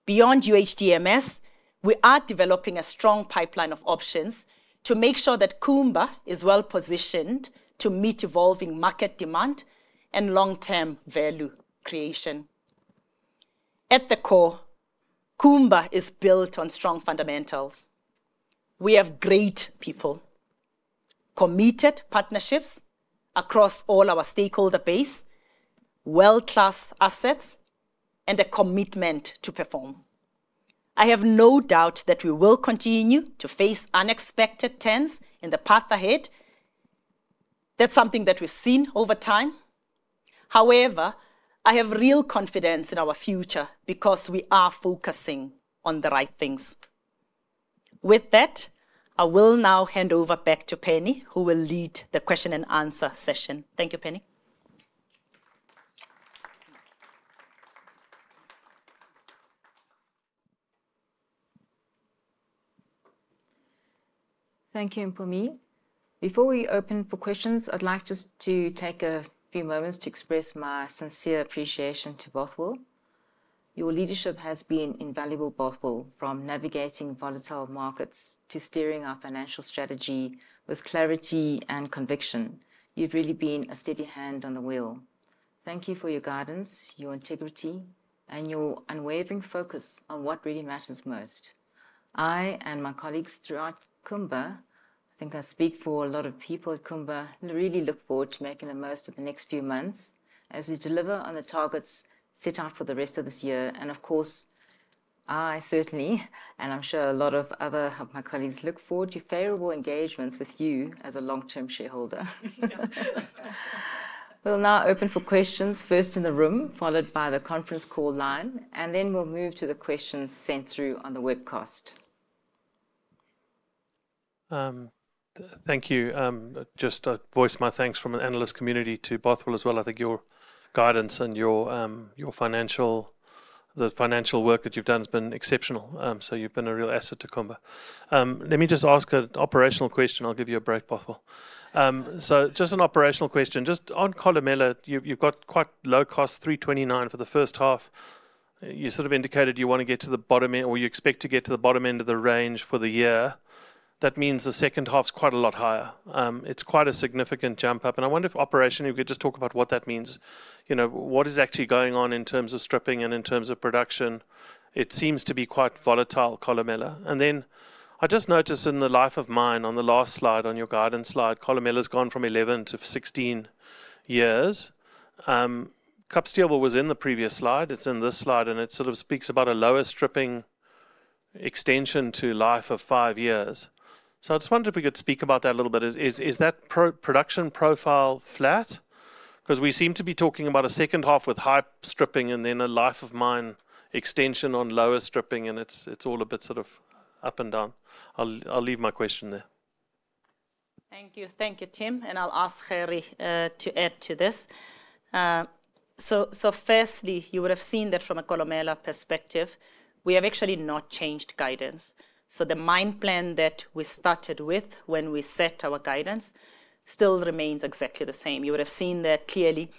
B: Beyond UHDMS, we are developing a strong pipeline of options to make sure that Kumba is well positioned to meet evolving market demand and long-term value creation. At the core, Kumba is built on strong fundamentals. We have great people, committed partnerships across all our stakeholder base, world-class assets, and a commitment to perform. I have no doubt that we will continue to face unexpected turns in the path ahead. That's something that we've seen over time. However, I have real confidence in our future because we are focusing on the right things. With that, I will now hand over back to Penny, who will lead the question and answer session. Thank you, Penny.
A: Thank you, Mpumi. Before we open for questions, I'd like just to take a few moments to express my sincere appreciation to Bothwell. Your leadership has been invaluable. Bothwell, from navigating volatile markets to steering our financial strategy with clarity and conviction, you've really been a steady hand on the wheel. Thank you for your guidance, your integrity, and your unwavering focus on what really matters most. I and my colleagues throughout Kumba, I think I speak for a lot of people at Kumba, really look forward to making the most of the next few months as we deliver on the targets set out for the rest of this year. Of course, I certainly, and I'm sure a lot of other of my colleagues, look forward to favorable engagements with you as a long-term shareholder. We'll now open for questions first in the room, followed by the conference call line, and then we'll move to the questions sent through on the webcast. Thank you. Just voice my thanks from the analyst community to Bothwell as well. I think your guidance and your financial work that you've done has been exceptional. You've been a real asset to Kumba. Let me just ask an operational question. I'll give you a break, Bothwell. Just an operational question. Just on Kolomela, you've got quite low cost, $3.29 for the first half. You sort of indicated you want to get to the bottom or you expect to get to the bottom end of the range for the year. That means the second half's quite a lot higher. It's quite a significant jump up. I wonder if operationally we could just talk about what that means, you know, what is actually going on in terms of stripping and in terms of production. It seems to be quite volatile, Kolomela. I just noticed in the life of mine on the last slide, on your guidance slide, Kolomela has gone from 11 to 16 years. Cup Steel was in the previous slide, it's in this slide and it sort of speaks about a lower stripping extension to life of five years. I just wonder if we could speak about that a little bit. Is that production profile flat? We seem to be talking about a second half with high stripping and then a life of mine extension on lower stripping and it's all a bit sort of up and down. I'll leave my question there, thank you.
B: Thank you, Tim. I'll ask Harry to add to this. Firstly, you would have seen that from a Kolomela perspective, we have actually not changed guidance. The mine plan that we started with when we set our guidance still remains exactly the same. You would have seen that clearly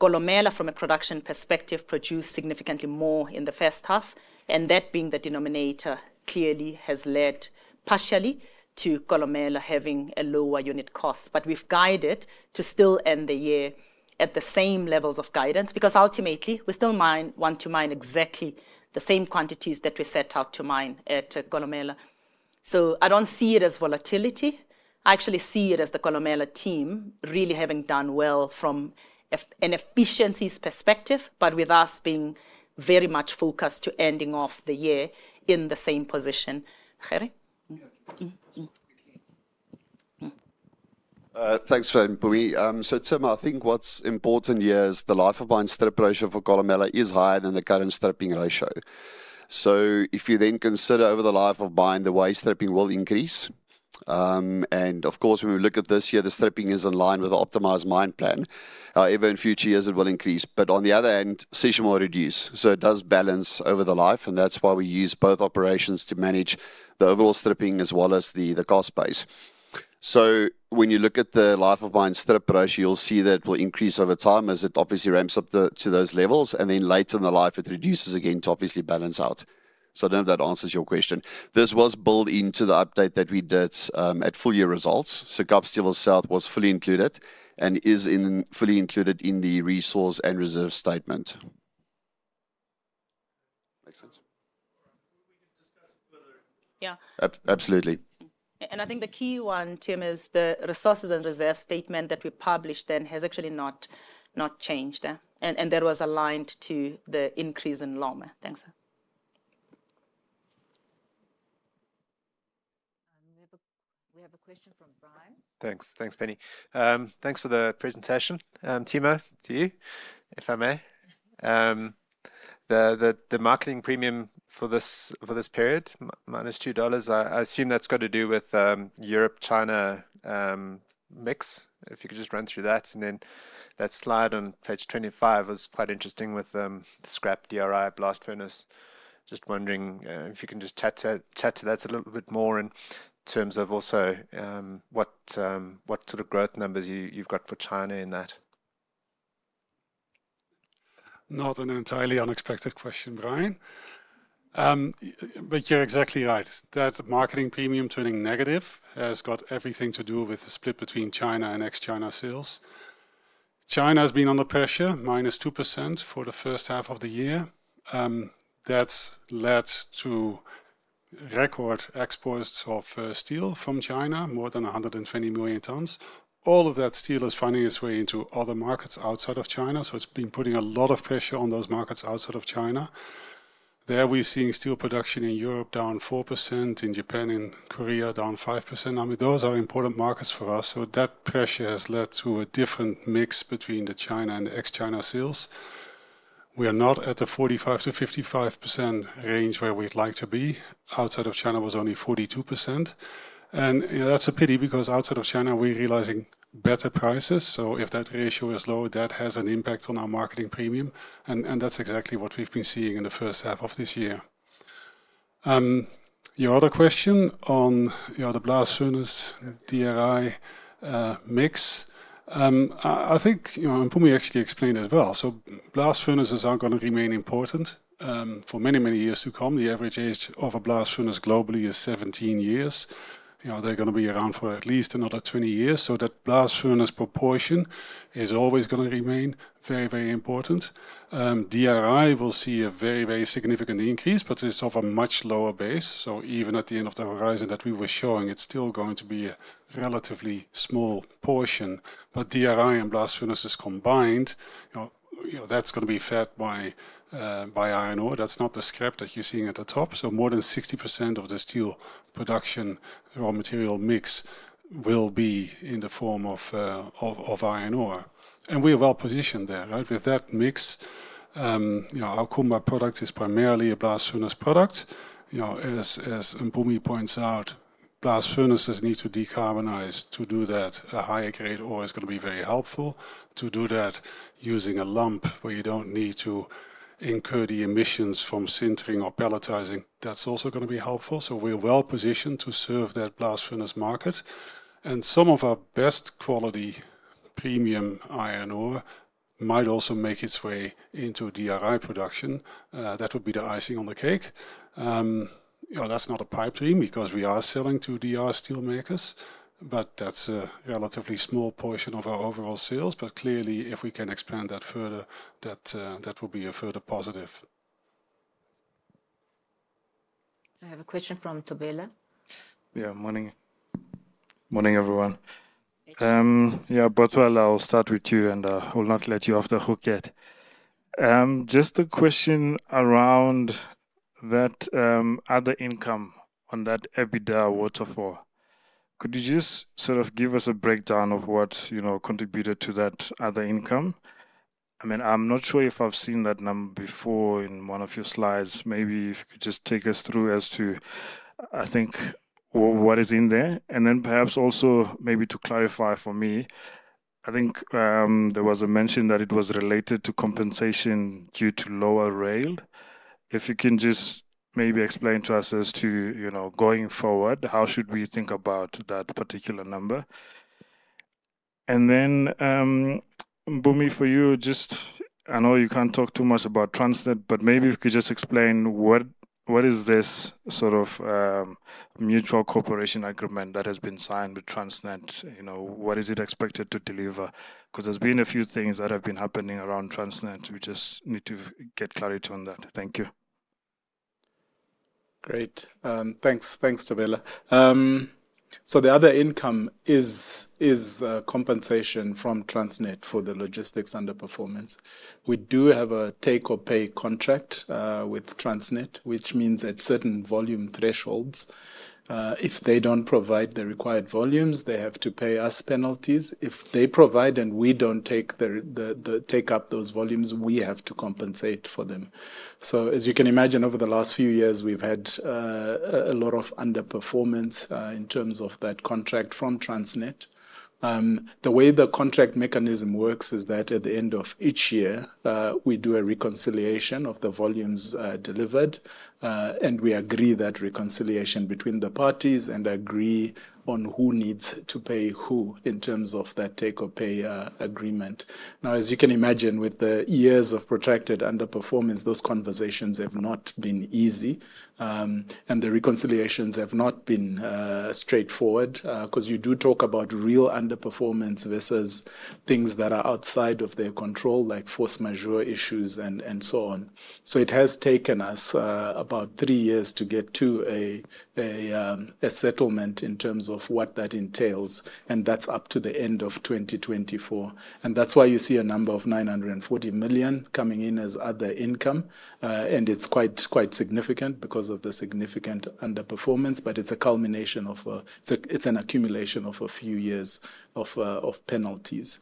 B: Kolomela, from a production perspective, produced significantly more in the first half. That being the denominator clearly has led partially to Kolomela having a lower unit cost. We've guided to still end the year at the same levels of guidance because ultimately we still want to mine exactly the same quantities that we set out to mine at Kolomela. I don't see it as volatility. I actually see it as the Kolomela team really having done well from an efficiencies perspective, with us being very much focused to ending off the year in the same position. Thanks. Tim, I think what's important here is the life of mine strip ratio for Kolomela is higher than the current stripping ratio. If you then consider over the life of mine, the way stripping will increase. When we look at this year, the stripping is in line with the optimized mine plan. In future years it will increase, but on the other hand, session will reduce. It does balance over the life and that's why we use both operations to manage the overall stripping as well as the cost base. When you look at the life of mine strip ratio, you'll see that will increase over time as it obviously ramps up to those levels and then later in the life it reduces again to balance out. I don't know if that answers your question. This was built into the update that we did at full year results. Kolomela South was fully included and is fully included in the resource and reserve statement. Makes sense. Yeah, absolutely. I think the key one, Tim, is the resources and reserve statement that we published then has actually not changed, and that was aligned to the increase in Loma. Thanks.
A: We have a question from Brian. Thanks, Penny. Thanks for the presentation. Timo, to you. If I may. The marketing premium for this period -$2, I assume that's got to do. With Europe, China mix. If you could just run through that. That slide on page 25 was quite interesting with scrap, DRI, blast furnace. Just wondering if you can chat to that a little bit more terms of also what sort of growth numbers you've got for China in that.
D: Not an entirely unexpected question, Brian, but you're exactly right. That marketing premium turning negative has got everything to do with the split between China and ex-China sales. China has been under pressure, -2% for the first half of the year. That's led to record exports of steel from China, more than 120 million tons. All of that steel is finding its way into other markets outside of China. It has been putting a lot of pressure on those markets outside of China. There we're seeing steel production in Europe down 4%, in Japan and Korea down 5%. Those are important markets for us. That pressure has led to a different mix between the China and ex-China sales. We are not at the 45%-55% range. Where we'd like to be outside of China was only 42%. That's a pity because outside of China we're realizing better prices. If that ratio is lower, that has an impact on our marketing premium and that's exactly what we've been seeing in the first half of this year. Your other question on the blast furnace DRI mix, I think Mpumi actually explained it well. Blast furnaces are going to remain important for many, many years to come. The average age of a blast furnace globally is 17 years. They're going to be around for at least another 20 years. That blast furnace proportion is always going to remain very, very important. DRI will see a very, very significant increase, but it's off a much lower base. Even at the end of the horizon that we were showing, it's still going to be a relatively small portion. DRI and blast furnaces combined, that's going to be fed by iron ore. That's not the scrap that you're seeing at the top. More than 60% of the steel production raw material mix will be in the form of iron ore. We are well positioned there, right with that mix. Our Kumba product is primarily a blast furnace product. As Mpumi points out, blast furnaces need to decarbonize. To do that, a higher grade ore is going to be very helpful, using a lump where you don't need to incur the emissions from sintering or pelletizing. That's also going to be helpful. We are well positioned to serve that blast furnace market. Some of our best quality premium iron ore might also make its way into DRI production. That would be the icing on the cake. That's not a pipe dream because we are selling to DRI steel makers, but that's a relatively small portion of our overall sales. Clearly, if we can expand that further, that will be a further positive.
A: I have a question from Tobela. Yeah, morning. Morning, everyone. Bothwell, I'll start with you and I will not let you off the hook yet. Just a question around that other income on that EBITDA waterfall, could you just sort of give us a breakdown of what contributed to that other income? I'm not sure if I've seen that number before in one of your slides. Maybe if you could just take us through as to what is in there. Perhaps also to clarify for me, I think there was a mention that it was related to compensation due to lower rail. If you can just explain to us, going forward, how should we think about that particular number? Mpumi, for you, I know you can't talk too much about Transnet, but maybe if you could just explain what is this mutual cooperation agreement that has been signed with Transnet, what is it expected to deliver? There have been a few things happening around Transnet. We just need to get clarity on that. Thank you.
C: Great, thanks. Thanks to Bella. The other income is compensation from Transnet for the logistics underperformance. We do have a take or pay contract with Transnet, which means at certain volume thresholds, if they don't provide the required volumes, they have to pay us penalties. If they provide and we don't take up those volumes, we have to compensate for them. As you can imagine, over the last few years we've had a lot of underperformance in terms of that contract from Transnet. The way the contract mechanism works is that at the end of each year we do a reconciliation of the volumes delivered and we agree that reconciliation between the parties and agree on who needs to pay who in terms of that take or pay agreement. As you can imagine, with the years of protracted underperformance, those conversations have not been easy and the reconciliations have not been straightforward because you do talk about real underperformance versus things that are outside of their control, like force majeure issues and so on. It has taken us about three years to get to a settlement in terms of what that entails and that's up to the end of 2024. That's why you see a number of 940 million coming in as other income. It's quite significant because of the significant underperformance. It's a culmination of, it's an accumulation of a few years of penalties.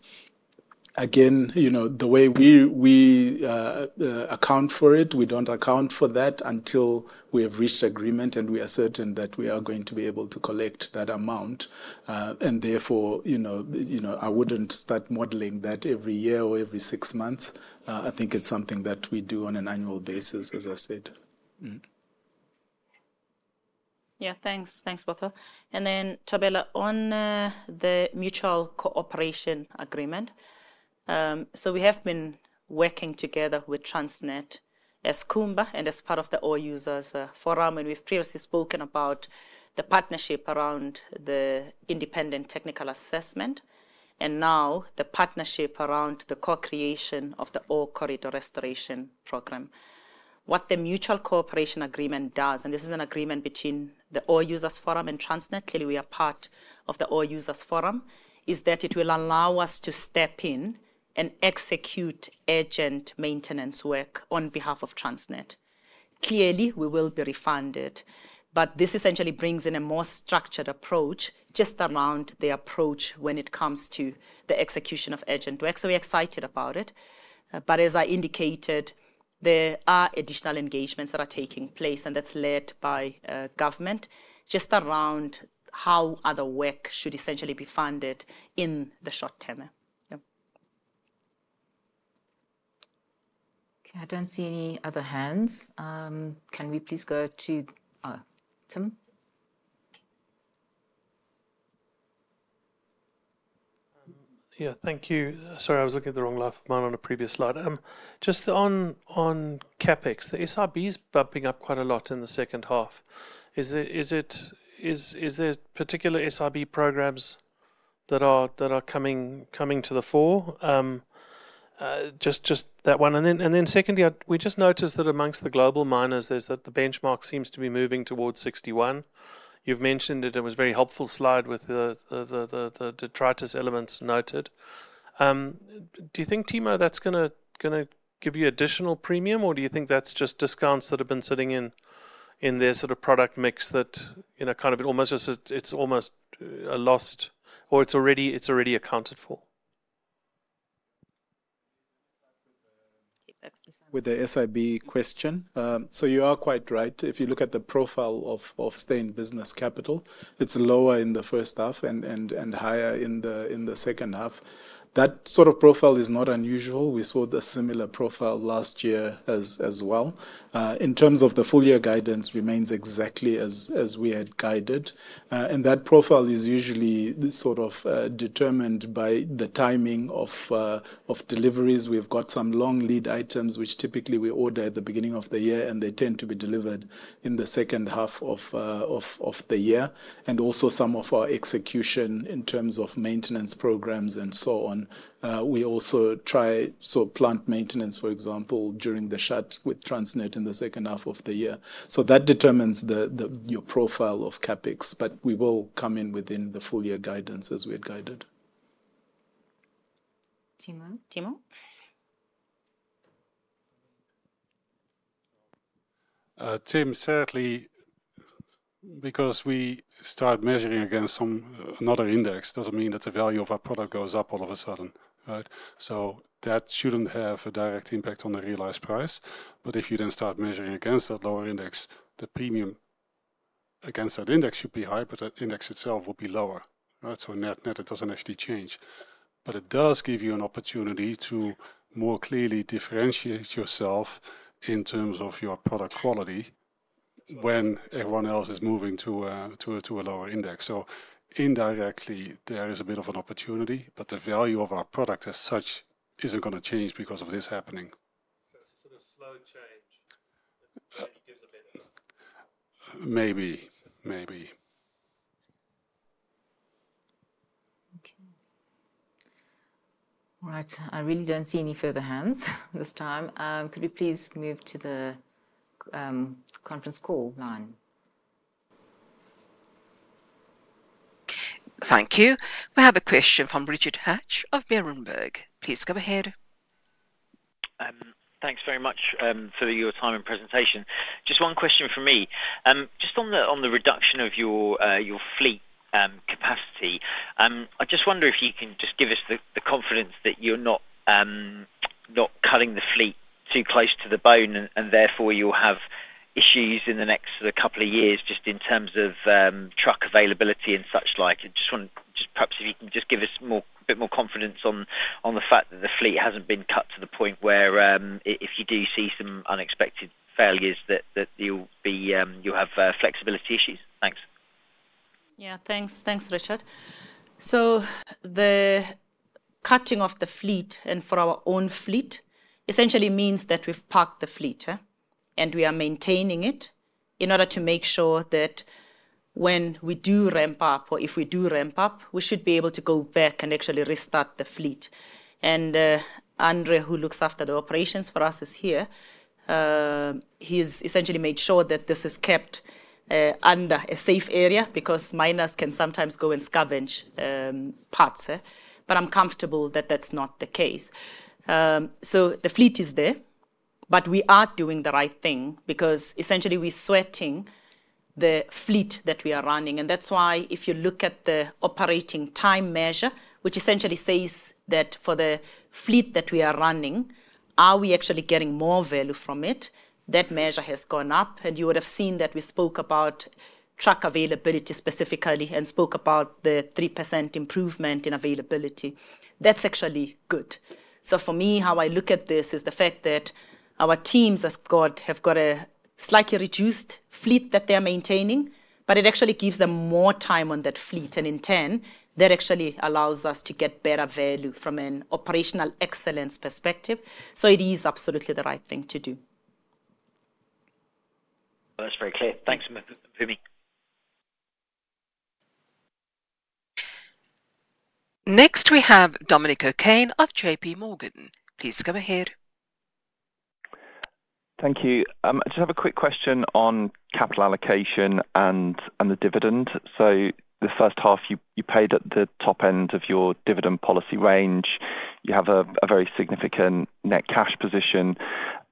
C: Again, the way we account for it, we don't account for that until we have reached agreement and we are certain that we are going to be able to collect that amount. Therefore, I wouldn't start modeling that every year or every six months. I think it's something that we do on an annual basis, as I said.
B: Yeah, thanks. Thanks, Bothwell, and then Tobela on the mutual cooperation agreement. We have been working together with Transnet as Kumba and as part of the Ore Users Forum, and we've previously spoken about the partnership around the independent technical assessment and now the partnership around the co-creation of the Ore Corridor Restoration program. What the mutual cooperation agreement does, and this is an agreement between the Ore Users Forum and Transnet—clearly we are part of the Ore Users Forum—is that it will allow us to step in and execute urgent maintenance work on behalf of Transnet. Clearly, we will be refunded, but this essentially brings in a more structured approach, just around the approach when it comes to the execution of urgent work. We are excited about it. As I indicated, there are additional engagements that are taking place, and that's led by government just around how other work should essentially be funded in the short term.
A: Okay, I don't see any other hands. Can we please go to Tim? Yeah, thank you. Sorry, I was looking at the wrong life of mine. On a previous slide just on CapEx, the SRB is bumping up quite a lot in the second half. Is there particular SIB programs that are coming to the fore? Just that one. Secondly, we just noticed that amongst the global miners the benchmark seems to be moving towards 61. You've mentioned it. It was a very helpful slide with the detritus elements noted. Do you think, Timo, that's going to give you additional premium or do you think that's just discounts that have been sitting in their sort of product mix that, you know, kind of almost just—it's almost lost or it's already accounted for.
C: With the SIB question, you are quite right. If you look at the profile of stay-in-business capital, it's lower in the first half and higher in the second half. That sort of profile is not unusual. We saw a similar profile last year as well. In terms of the full year, guidance remains exactly as we had guided, and that profile is usually determined by the timing of deliveries. We've got some long lead items which typically we order at the beginning of the year, and they tend to be delivered in the second half of the year. Also, some of our execution in terms of maintenance programs and so on, we also try to do plant maintenance, for example, during the shut with Transnet in the second half of the year. That determines the profile of CapEx, but we will come in within the full year guidance as we had guided.
A: Timo.
B: Timo.
D: Certainly because we start measuring against another index doesn't mean that the value of our product goes up all of a sudden. Right. That shouldn't have a direct impact on the realized price. If you then start measuring against that lower index, the premium against that index should be high, but that index itself will be lower. Right. So net. Net. It doesn't actually change, but it does give you an opportunity to more clearly differentiate yourself in terms of your product quality when everyone else is moving to a lower index. Indirectly, there is a bit of an opportunity, but the value of our product as such isn't going to change because of this happening, sort of slow change. Maybe, maybe.
B: Okay, all right.
A: I really don't see any further hands at this time. Could you please move to the conference call line?
E: Thank you. We have a question from Richard Hatch of Berenberg.Please go ahead.
F: Thanks very much for your time and presentation. Just one question for me. On the reduction of your fleet capacity, I just wonder if you can give us the confidence that you're not cutting the fleet too close to the bone and therefore you'll have issues in the next couple of years in terms of truck availability and such like. Perhaps if you can give us a bit more confidence on the fact that the fleet hasn't been cut to the point where if you do see some unexpected failures, you'll have flexibility issues. Thanks.
B: Yeah, thanks. Thanks, Richard. The cutting off the fleet and for our own fleet essentially means that we've parked the fleet and we are maintaining it in order to make sure that when we do ramp up, or if we do ramp up, we should be able to go back and actually restart the fleet. Andre, who looks after the operations for us, is here. He's essentially made sure that this is kept under a safe area because miners can sometimes go and scavenge parts, but I'm comfortable that that's not the case. The fleet is there, but we are doing the right thing because essentially we are sweating the fleet that we are running. If you look at the operating time measure, which essentially says that for the fleet that we are running, are we actually getting more value from it? That measure has gone up and you would have seen that we spoke about truck availability specifically and spoke about the 3% improvement in availability. That's actually good. For me, how I look at this is the fact that our teams have got a slightly reduced fleet that they are maintaining, but it actually gives them more time on that fleet and in turn, that actually allows us to get better value from an operational excellence perspective. It is absolutely the right thing to do.
F: That's very clear.
E: Thanks. Next we have Dominic OKane of JPMorgan. Please go ahead.
G: Thank you. I just have a quick question on capital allocation and the dividend. The first half you paid at the top end of your dividend policy range. You have a very significant net cash position.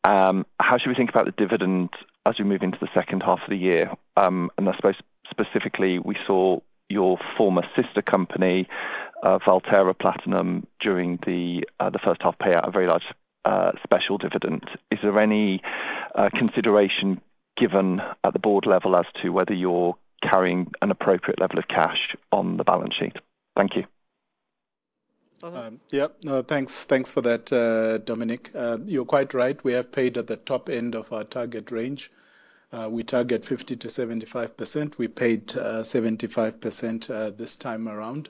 G: How should we think about the dividend as we move into the second half of the year? I suppose specifically we saw your former sister company, Valterra Platinum, during the first half pay out a very large special dividend. Is there any consideration given at the board level as to whether you're carrying an appropriate level of cash on the balance sheet? Thank you.
C: Yeah, thanks for that, Dominic. You're quite right. We have paid at the top end of our target range. We target 50% to 75%. We paid 75% this time around,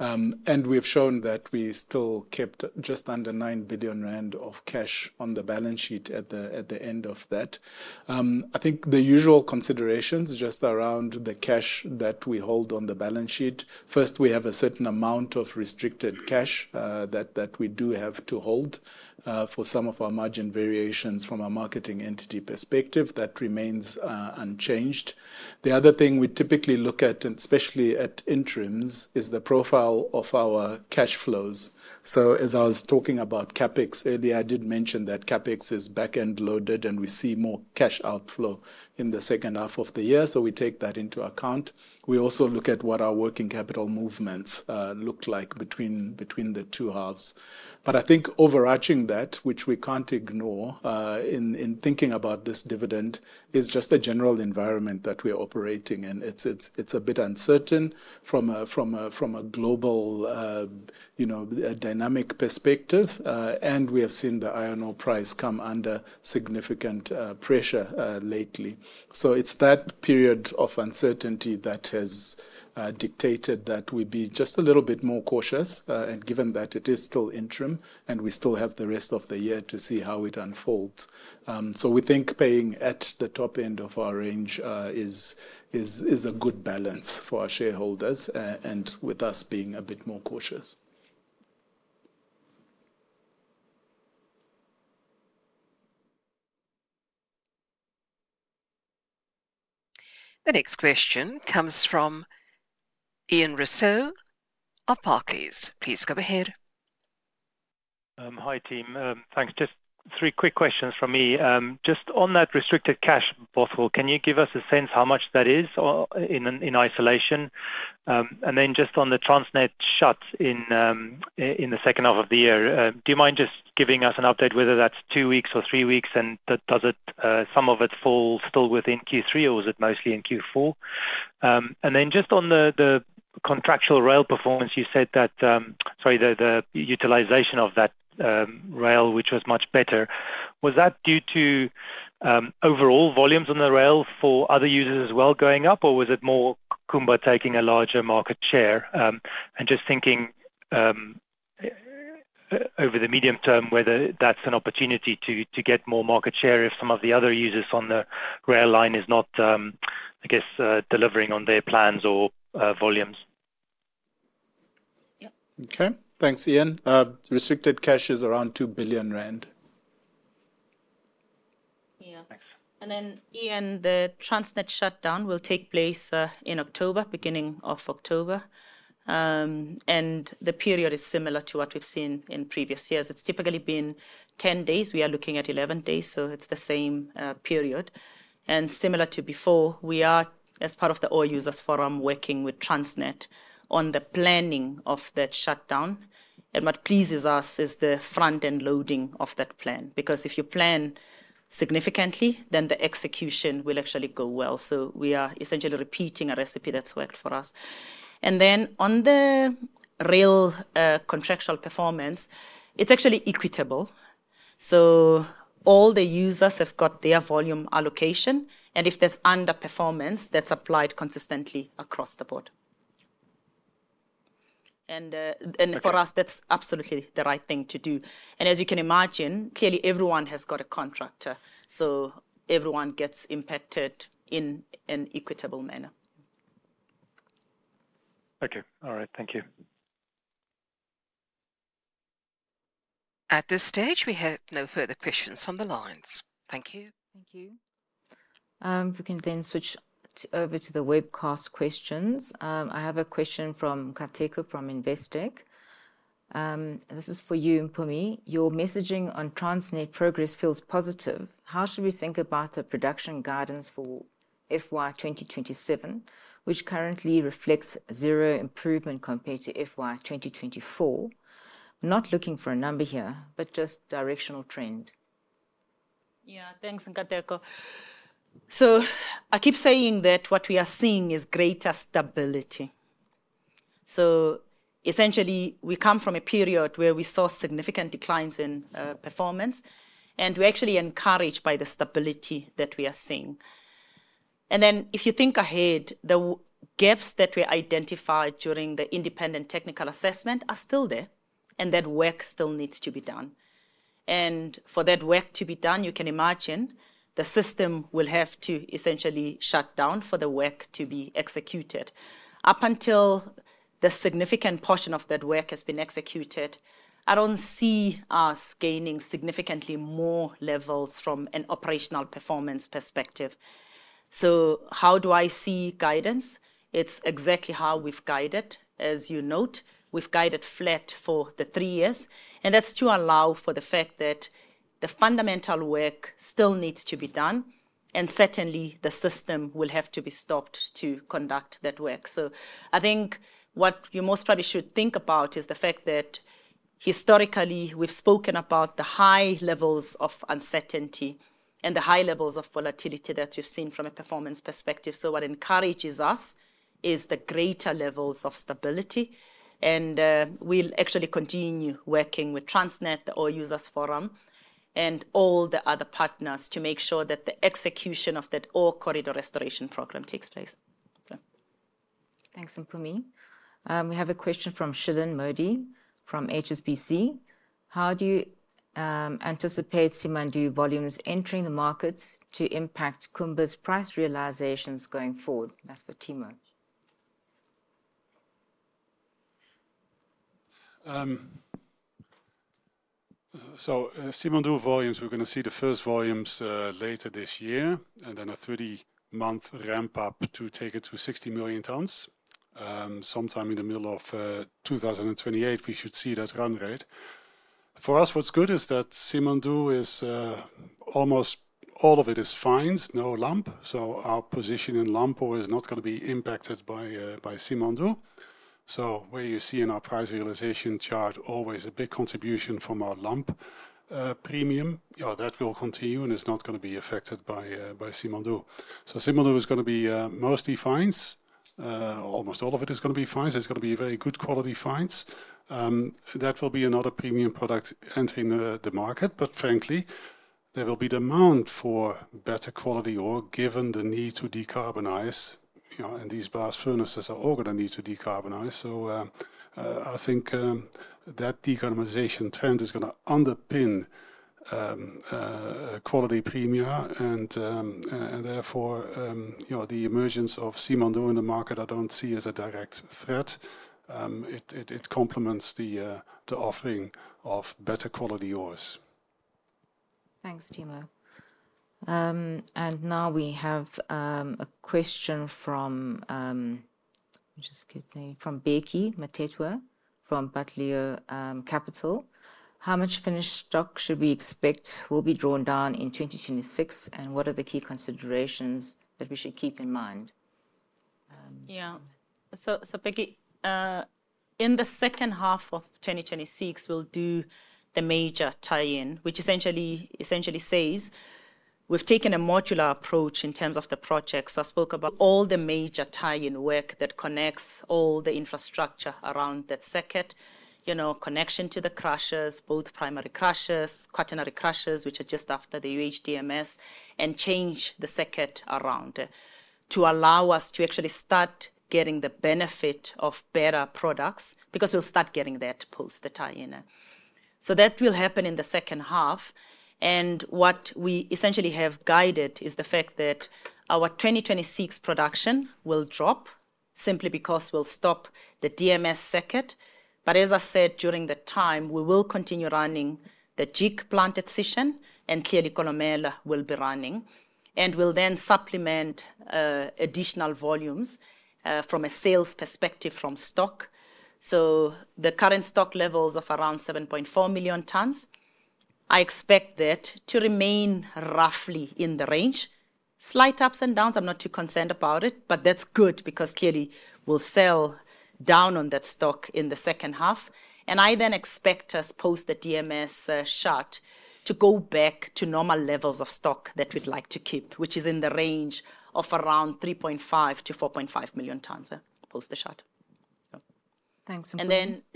C: and we've shown that we still kept just under 9 billion rand of cash on the balance sheet. At the end of that, I think the usual considerations are just around the cash that we hold on the balance sheet. First, we have a certain amount of restricted cash that we do have to hold for some of our margin variations. From a marketing entity perspective, that remains unchanged. The other thing we typically look at, especially at interims, is the profile of our cash flows. As I was talking about CapEx earlier, I did mention that CapEx is back-end loaded, and we see more cash outflow in the second half of the year. We take that into account. We also look at what our working capital movements look like between the two halves. I think overarching that, which we can't ignore in thinking about this dividend, is just the general environment that we are operating in. It's a bit uncertain from a global dynamic perspective, and we have seen the iron ore price come under significant pressure lately. It's that period of uncertainty that has dictated that we be just a little bit more cautious, given that it is still interim and we still have the rest of the year to see how it unfolds. We think paying at the top end of our range is a good balance for our shareholders and with us being a bit more cautious.
E: The next question comes from Ian Rossouw of Barclays. Please go ahead.
H: Hi team. Thanks. Just three quick questions from me. Just on that restricted cash bottle, can you give us a sense how much that is in isolation, and then just on the Transnet shut in the second half of the year, do you mind just giving us an update, whether that's two weeks or three weeks? Does some of it fall still within Q3 or mostly in Q4? Just on the contractual rail performance, you said that the utilization of that rail, which was much better, was that due to overall volumes on the rail for other users as well going up, or was it more Kumba taking a larger market share? Just thinking over the medium term whether that's an opportunity to get more market share if some of the other users on the rail line are not, I guess, delivering on their plans or volumes.
C: Okay, thanks, Ian. Restricted cash is around 2 billion rand.
B: Yeah. Ian, the Transnet shutdown will take place in October, beginning of October. The period is similar to what we've seen in previous years. It's typically been 10 days, we are looking at 11 days. It's the same period and similar to before. We are, as part of the Ore Users Forum, working with Transnet on the planning of that shutdown. What pleases us is the front end loading of that plan, because if you plan significantly, then the execution will actually go well. We are essentially repeating a recipe that's worked for us. On the real contractual performance, it's actually equitable. All the users have got their volume allocation and if there's underperformance that's applied consistently across the board. For us that's absolutely the right thing to do. As you can imagine, clearly everyone has got a contractor, so everyone gets impacted in an equitable manner.
H: Okay, all right, thank you.
E: At this stage, we have no further questions from the lines. Thank you.
A: Thank you. We can then switch over to the webcast. Questions. I have a question from Kateko from Investec. This is for you, Mpumi. Your messaging on Transnet progress feels positive. How should we think about the production guidance for FY 2027, which currently reflects zero improvement compared to FY 2024? Not looking for a number here, but just directional trend.
B: Yeah, thanks, Nkateko. I keep saying that what we are seeing is greater stability. Essentially, we come from a period where we saw significant declines in performance, and we're actually encouraged by the stability that we are seeing. If you think ahead, the gaps that were identified during the independent technical assessment are still there, and that work still needs to be done. For that work to be done, you can imagine the system will have to essentially shut down for the work to be executed. Up until the significant portion of that work has been executed, I don't see us gaining significantly more levels from an operational performance perspective. How do I see guidance? It's exactly how we've guided. As you note, we've guided flat for the three years, and that's to allow for the fact that the fundamental work still needs to be done, and certainly the system will have to be stopped to conduct that work. I think what you most probably should think about is the fact that historically we've spoken about the high levels of uncertainty and the high levels of volatility that we've seen from a performance perspective. What encourages us is the greater levels of stability, and we'll actually continue working with Transnet, the Ore Users Forum, and all the other partners to make sure that the execution of that all corridor restoration program takes place.
A: Thanks Mpumi. We have a question from Shilan Modi from HSBC. How do you anticipate Simandou volumes entering the market to impact Kumba's price realizations going forward? That's for Timo.
D: Simandou volumes, we're going to see the first volumes later this year and then a 30-month ramp up to take it to 60 million tons sometime in the middle of 2028. We should see that run rate. For us, what's good is that Simandou is, almost all of it is fines, no lump. Our position in lump is not going to be impacted by Simandou. Where you see in our price realization chart, always a big contribution from our lump premium, that will continue and it's not going to be affected by Simandou. Simandou is going to be mostly fines. Almost all of it is going to be fines. It's going to be very good quality fines. That will be another premium product entering the market. Frankly, there will be demand for better quality ore given the need to decarbonize, you know, and these blast furnaces are all going to need to decarbonize. I think that decarbonization trend is going to underpin quality premia and therefore the emergence of Simandou in the market I don't see as a direct threat. It complements the offering of better quality ores.
A: Thanks, Timo. We have a question from Becky Matetwa from Butler Capital. How much finished stock should we expect will be drawn down in 2026, and what are the key considerations that we should keep in mind?
B: Yeah, so Peggy, in the second half of 2026 we'll do the major tie-in, which essentially says we've taken a modular approach in terms of the projects I spoke about. All the major tie-in work that connects all the infrastructure around that circuit, you know, connection to the crushers, both primary crushers, quaternary crushers which are just after the UHDMS, and change the circuit around to allow us to actually start getting the benefit of better products because we'll start getting that post the tie-in. That will happen in the second half, and what we essentially have guided is the fact that our 2026 production will drop simply because we'll stop the DMS circuit. As I said, during the time we will continue running the JIC plant and Sishen and Kolomela will be running, and we'll then supplement additional volumes from a sales perspective from stock. The current stock levels are around 7.4 million tons. I expect that to remain roughly in the range, slight ups and downs. I'm not too concerned about it, but that's good because clearly we'll sell down on that stock in the second half, and I then expect us post the DMS shutdown to go back to normal levels of stock that we'd like to keep, which is in the range of around 3.5 million to 4.5 million tons post the shutdown. Thanks.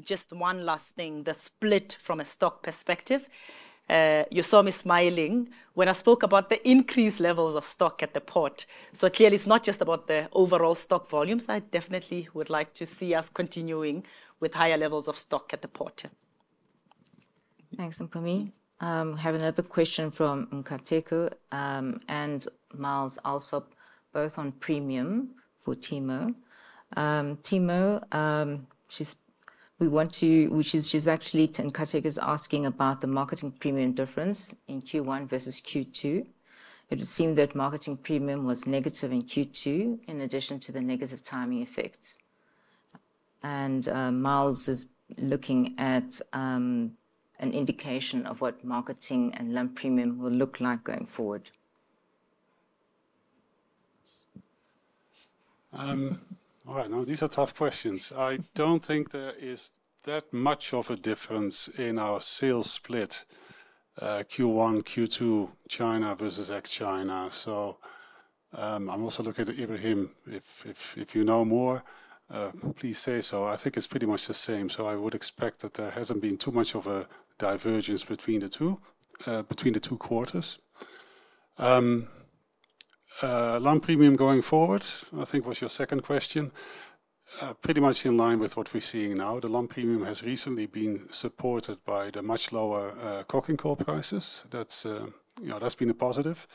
B: Just one last thing. The split from a stock perspective, you saw me smiling when I spoke about the increased levels of stock at the port. Clearly, it's not just about the overall stock volumes. I definitely would like to see us continuing with higher levels of stock at the port.
A: Thanks Mpumi. We have another question from Nkateku and Miles Alsop, both on premium for Timo. Timo, we want to, which is actually Nkateku is asking about the marketing premium difference in Q1 versus Q2. It would seem that marketing premium was negative in Q2 in addition to the negative timing effects, and Miles is looking at an indication of what marketing and lump premium will look like going forward.
D: All right, now these are tough questions. I don't think there is that much of a difference in our sales split Q1, Q2, China versus ex-China. I'm also looking at Ibrahim. If you know more, please say so. I think it's pretty much the same, so I would expect that there hasn't been too much of a divergence between the two quarters. Lump premium going forward, I think, was your second question, pretty much in line with what we're seeing now. The lump premium has recently been supported by the much lower coking coal prices. That's been a positive.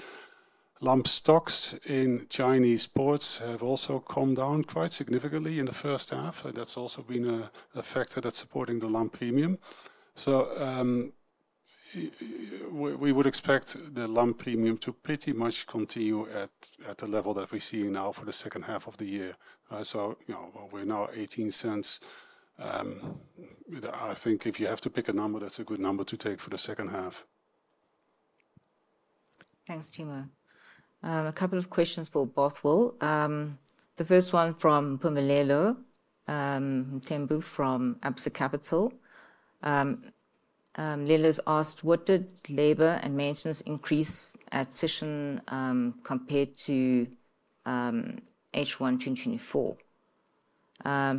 D: Lump stocks in Chinese ports have also come down quite significantly in the first half. That's also been effective at supporting the lump premium. So. We would expect the lump premium to pretty much continue at the level that we see now for the second half of the year. You know we're now at $0.18. I think if you have to pick a number, that's a good number to take for the second half.
A: Thanks, Timo. A couple of questions for Bothwell. The first one from Nompumelelo from ABSA Capital. Lelo's asked what did labor and maintenance increase at Sishen compared to H1 2024.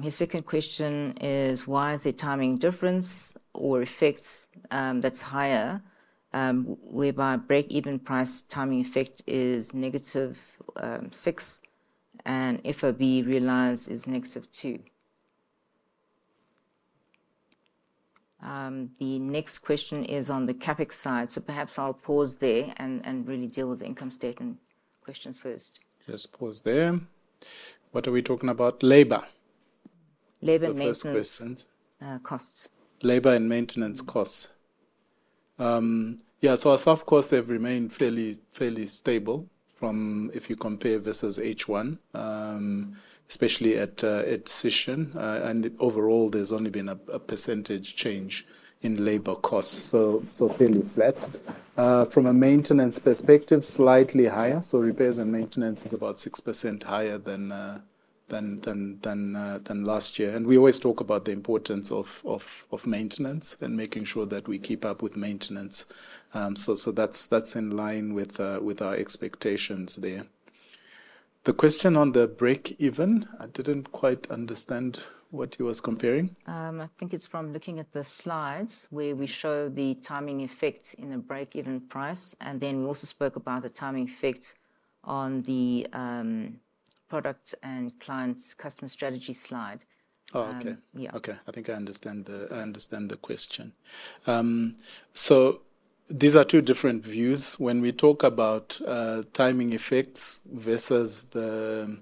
A: His second question is why is the timing difference or effects that's higher whereby breakeven price timing effect is negative 6 and FOB realized is negative 2. The next question is on the CapEx side, so perhaps I'll pause there and really deal with income statement questions first.
C: Just pause there. What are we talking about? Labor.
A: Labor costs.
C: Labor and maintenance costs. Yeah. Our soft costs have remained fairly stable if you compare versus H1, especially at Sishen. Overall, there's only been a percentage change in labor costs, so fairly flat from a maintenance perspective, slightly higher. Repairs and maintenance is about 6% higher than last year. We always talk about the importance of maintenance and making sure that we keep up with maintenance. That's in line with our expectations there. The question on the break even, I didn't quite understand what he was comparing.
A: I think it's from looking at the slides where we show the timing effect in the breakeven price, and then we also spoke about the timing effect on the product and clients customer strategy slide.
C: Oh, okay.
A: Yeah, okay.
C: I think I understand the question. These are two different views. When we talk about timing effects versus the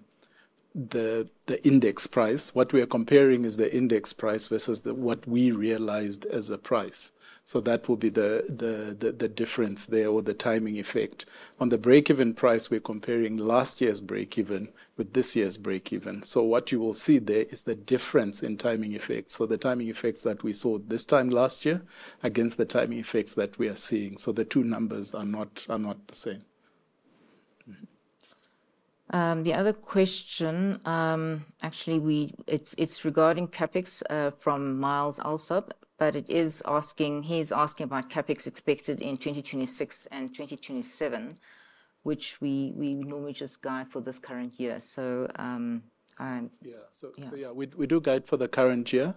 C: index price, what we are comparing is the index price versus what we realized as a price. That will be the difference there or the timing effect on the breakeven price. We're comparing last year's breakeven with this year's breakeven. What you will see there is the difference in timing effects. The timing effects that we saw this time last year against the timing effects that we are seeing. The two numbers are not the same.
A: The other question actually is regarding CapEx from Miles also, but he's asking about CapEx expected in 2026 and 2027, which we normally just guide for this current year.
C: We do guide for the current year.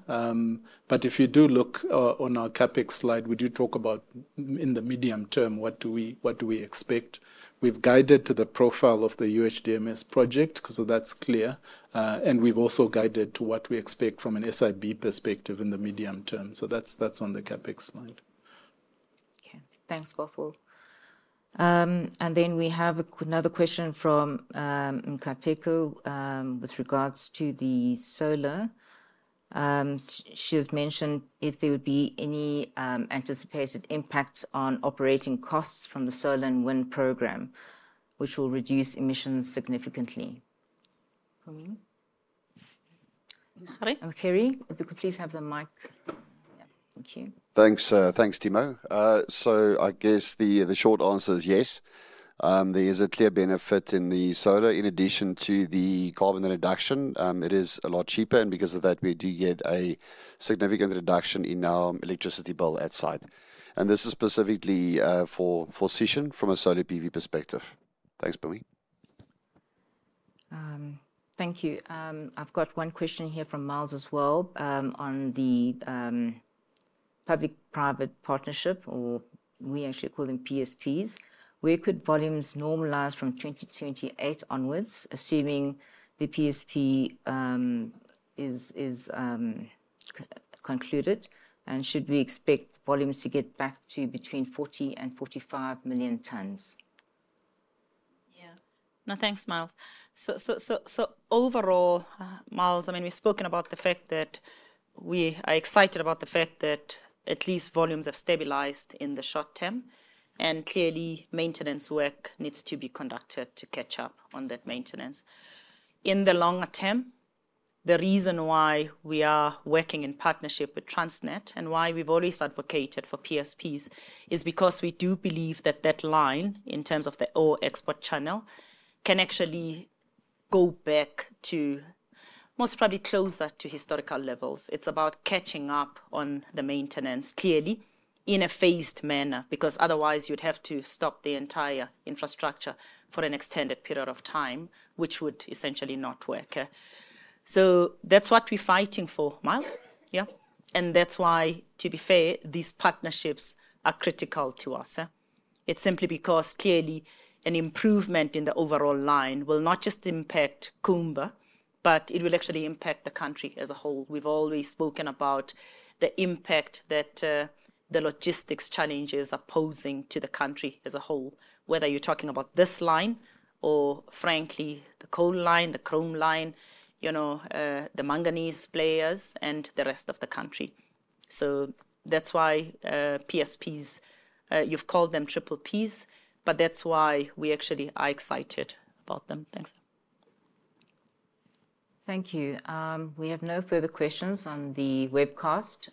C: If you do look on our CapEx slide, we do talk about in the medium term, what do we expect. We've guided to the profile of the UHDMS project, so that's clear. We've also guided to what we expect from an SIB perspective in the medium term. That's on the CapEx slide.
A: Okay, thanks Bothwell. We have another question with regards to the solar. She has mentioned if there would be any anticipated impact on operating costs from the solar and wind program, which will reduce emissions significantly. If you could please have the mic.
B: Thank you. Thanks, Timo. I guess the short answer is yes, there is a clear benefit in the solar in addition to the carbon reduction. It is a lot cheaper, and because of that, we do get a significant reduction in our electricity bill at site. This is specifically for session from a solar PV perspective. Thanks, Billy.
A: Thank you. I've got one question here from Miles as well, on the public private partnership, or we actually call them PSPs, where could volumes normalize from 2028 onwards, assuming the PSP is concluded, and should we expect volumes to get back to between 40 million and 45 million tons?
B: Yeah, no, thanks, Myles. Overall, Myles, we've spoken about the fact that we are excited about the fact that at least volumes have stabilized in the short term, and clearly maintenance work needs to be conducted to catch up on that maintenance in the longer term. The reason why we are working in partnership with Transnet and why we've always advocated for PSPs is because we do believe that that line, in terms of the ore export channel, can actually go back to most probably closer to historical levels. It's about catching up on the maintenance, clearly in a phased manner, because otherwise you'd have to stop the entire infrastructure for an extended period of time, which would essentially not work. That's what we're fighting for, Myles. That's why, to be fair, these partnerships are critical to us. It's simply because clearly an improvement in the overall line will not just impact Kumba, but it will actually impact the country as a whole. We've always spoken about the impact that the logistics challenges are posing to the country as a whole, whether you're talking about this line or frankly the coal line, the chrome line, the manganese players, and the rest of the country. That's why PSPs, you've called them Triple Ps, but that's why we actually are excited about them. Thanks.
A: Thank you. We have no further questions on the webcast.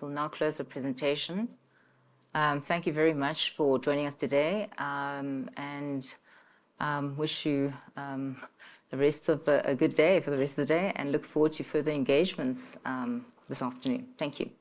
A: We'll now close the presentation. Thank you very much for joining us today and wish you the rest of a good day for the rest of the day and look forward to further engagements this afternoon. Thank you.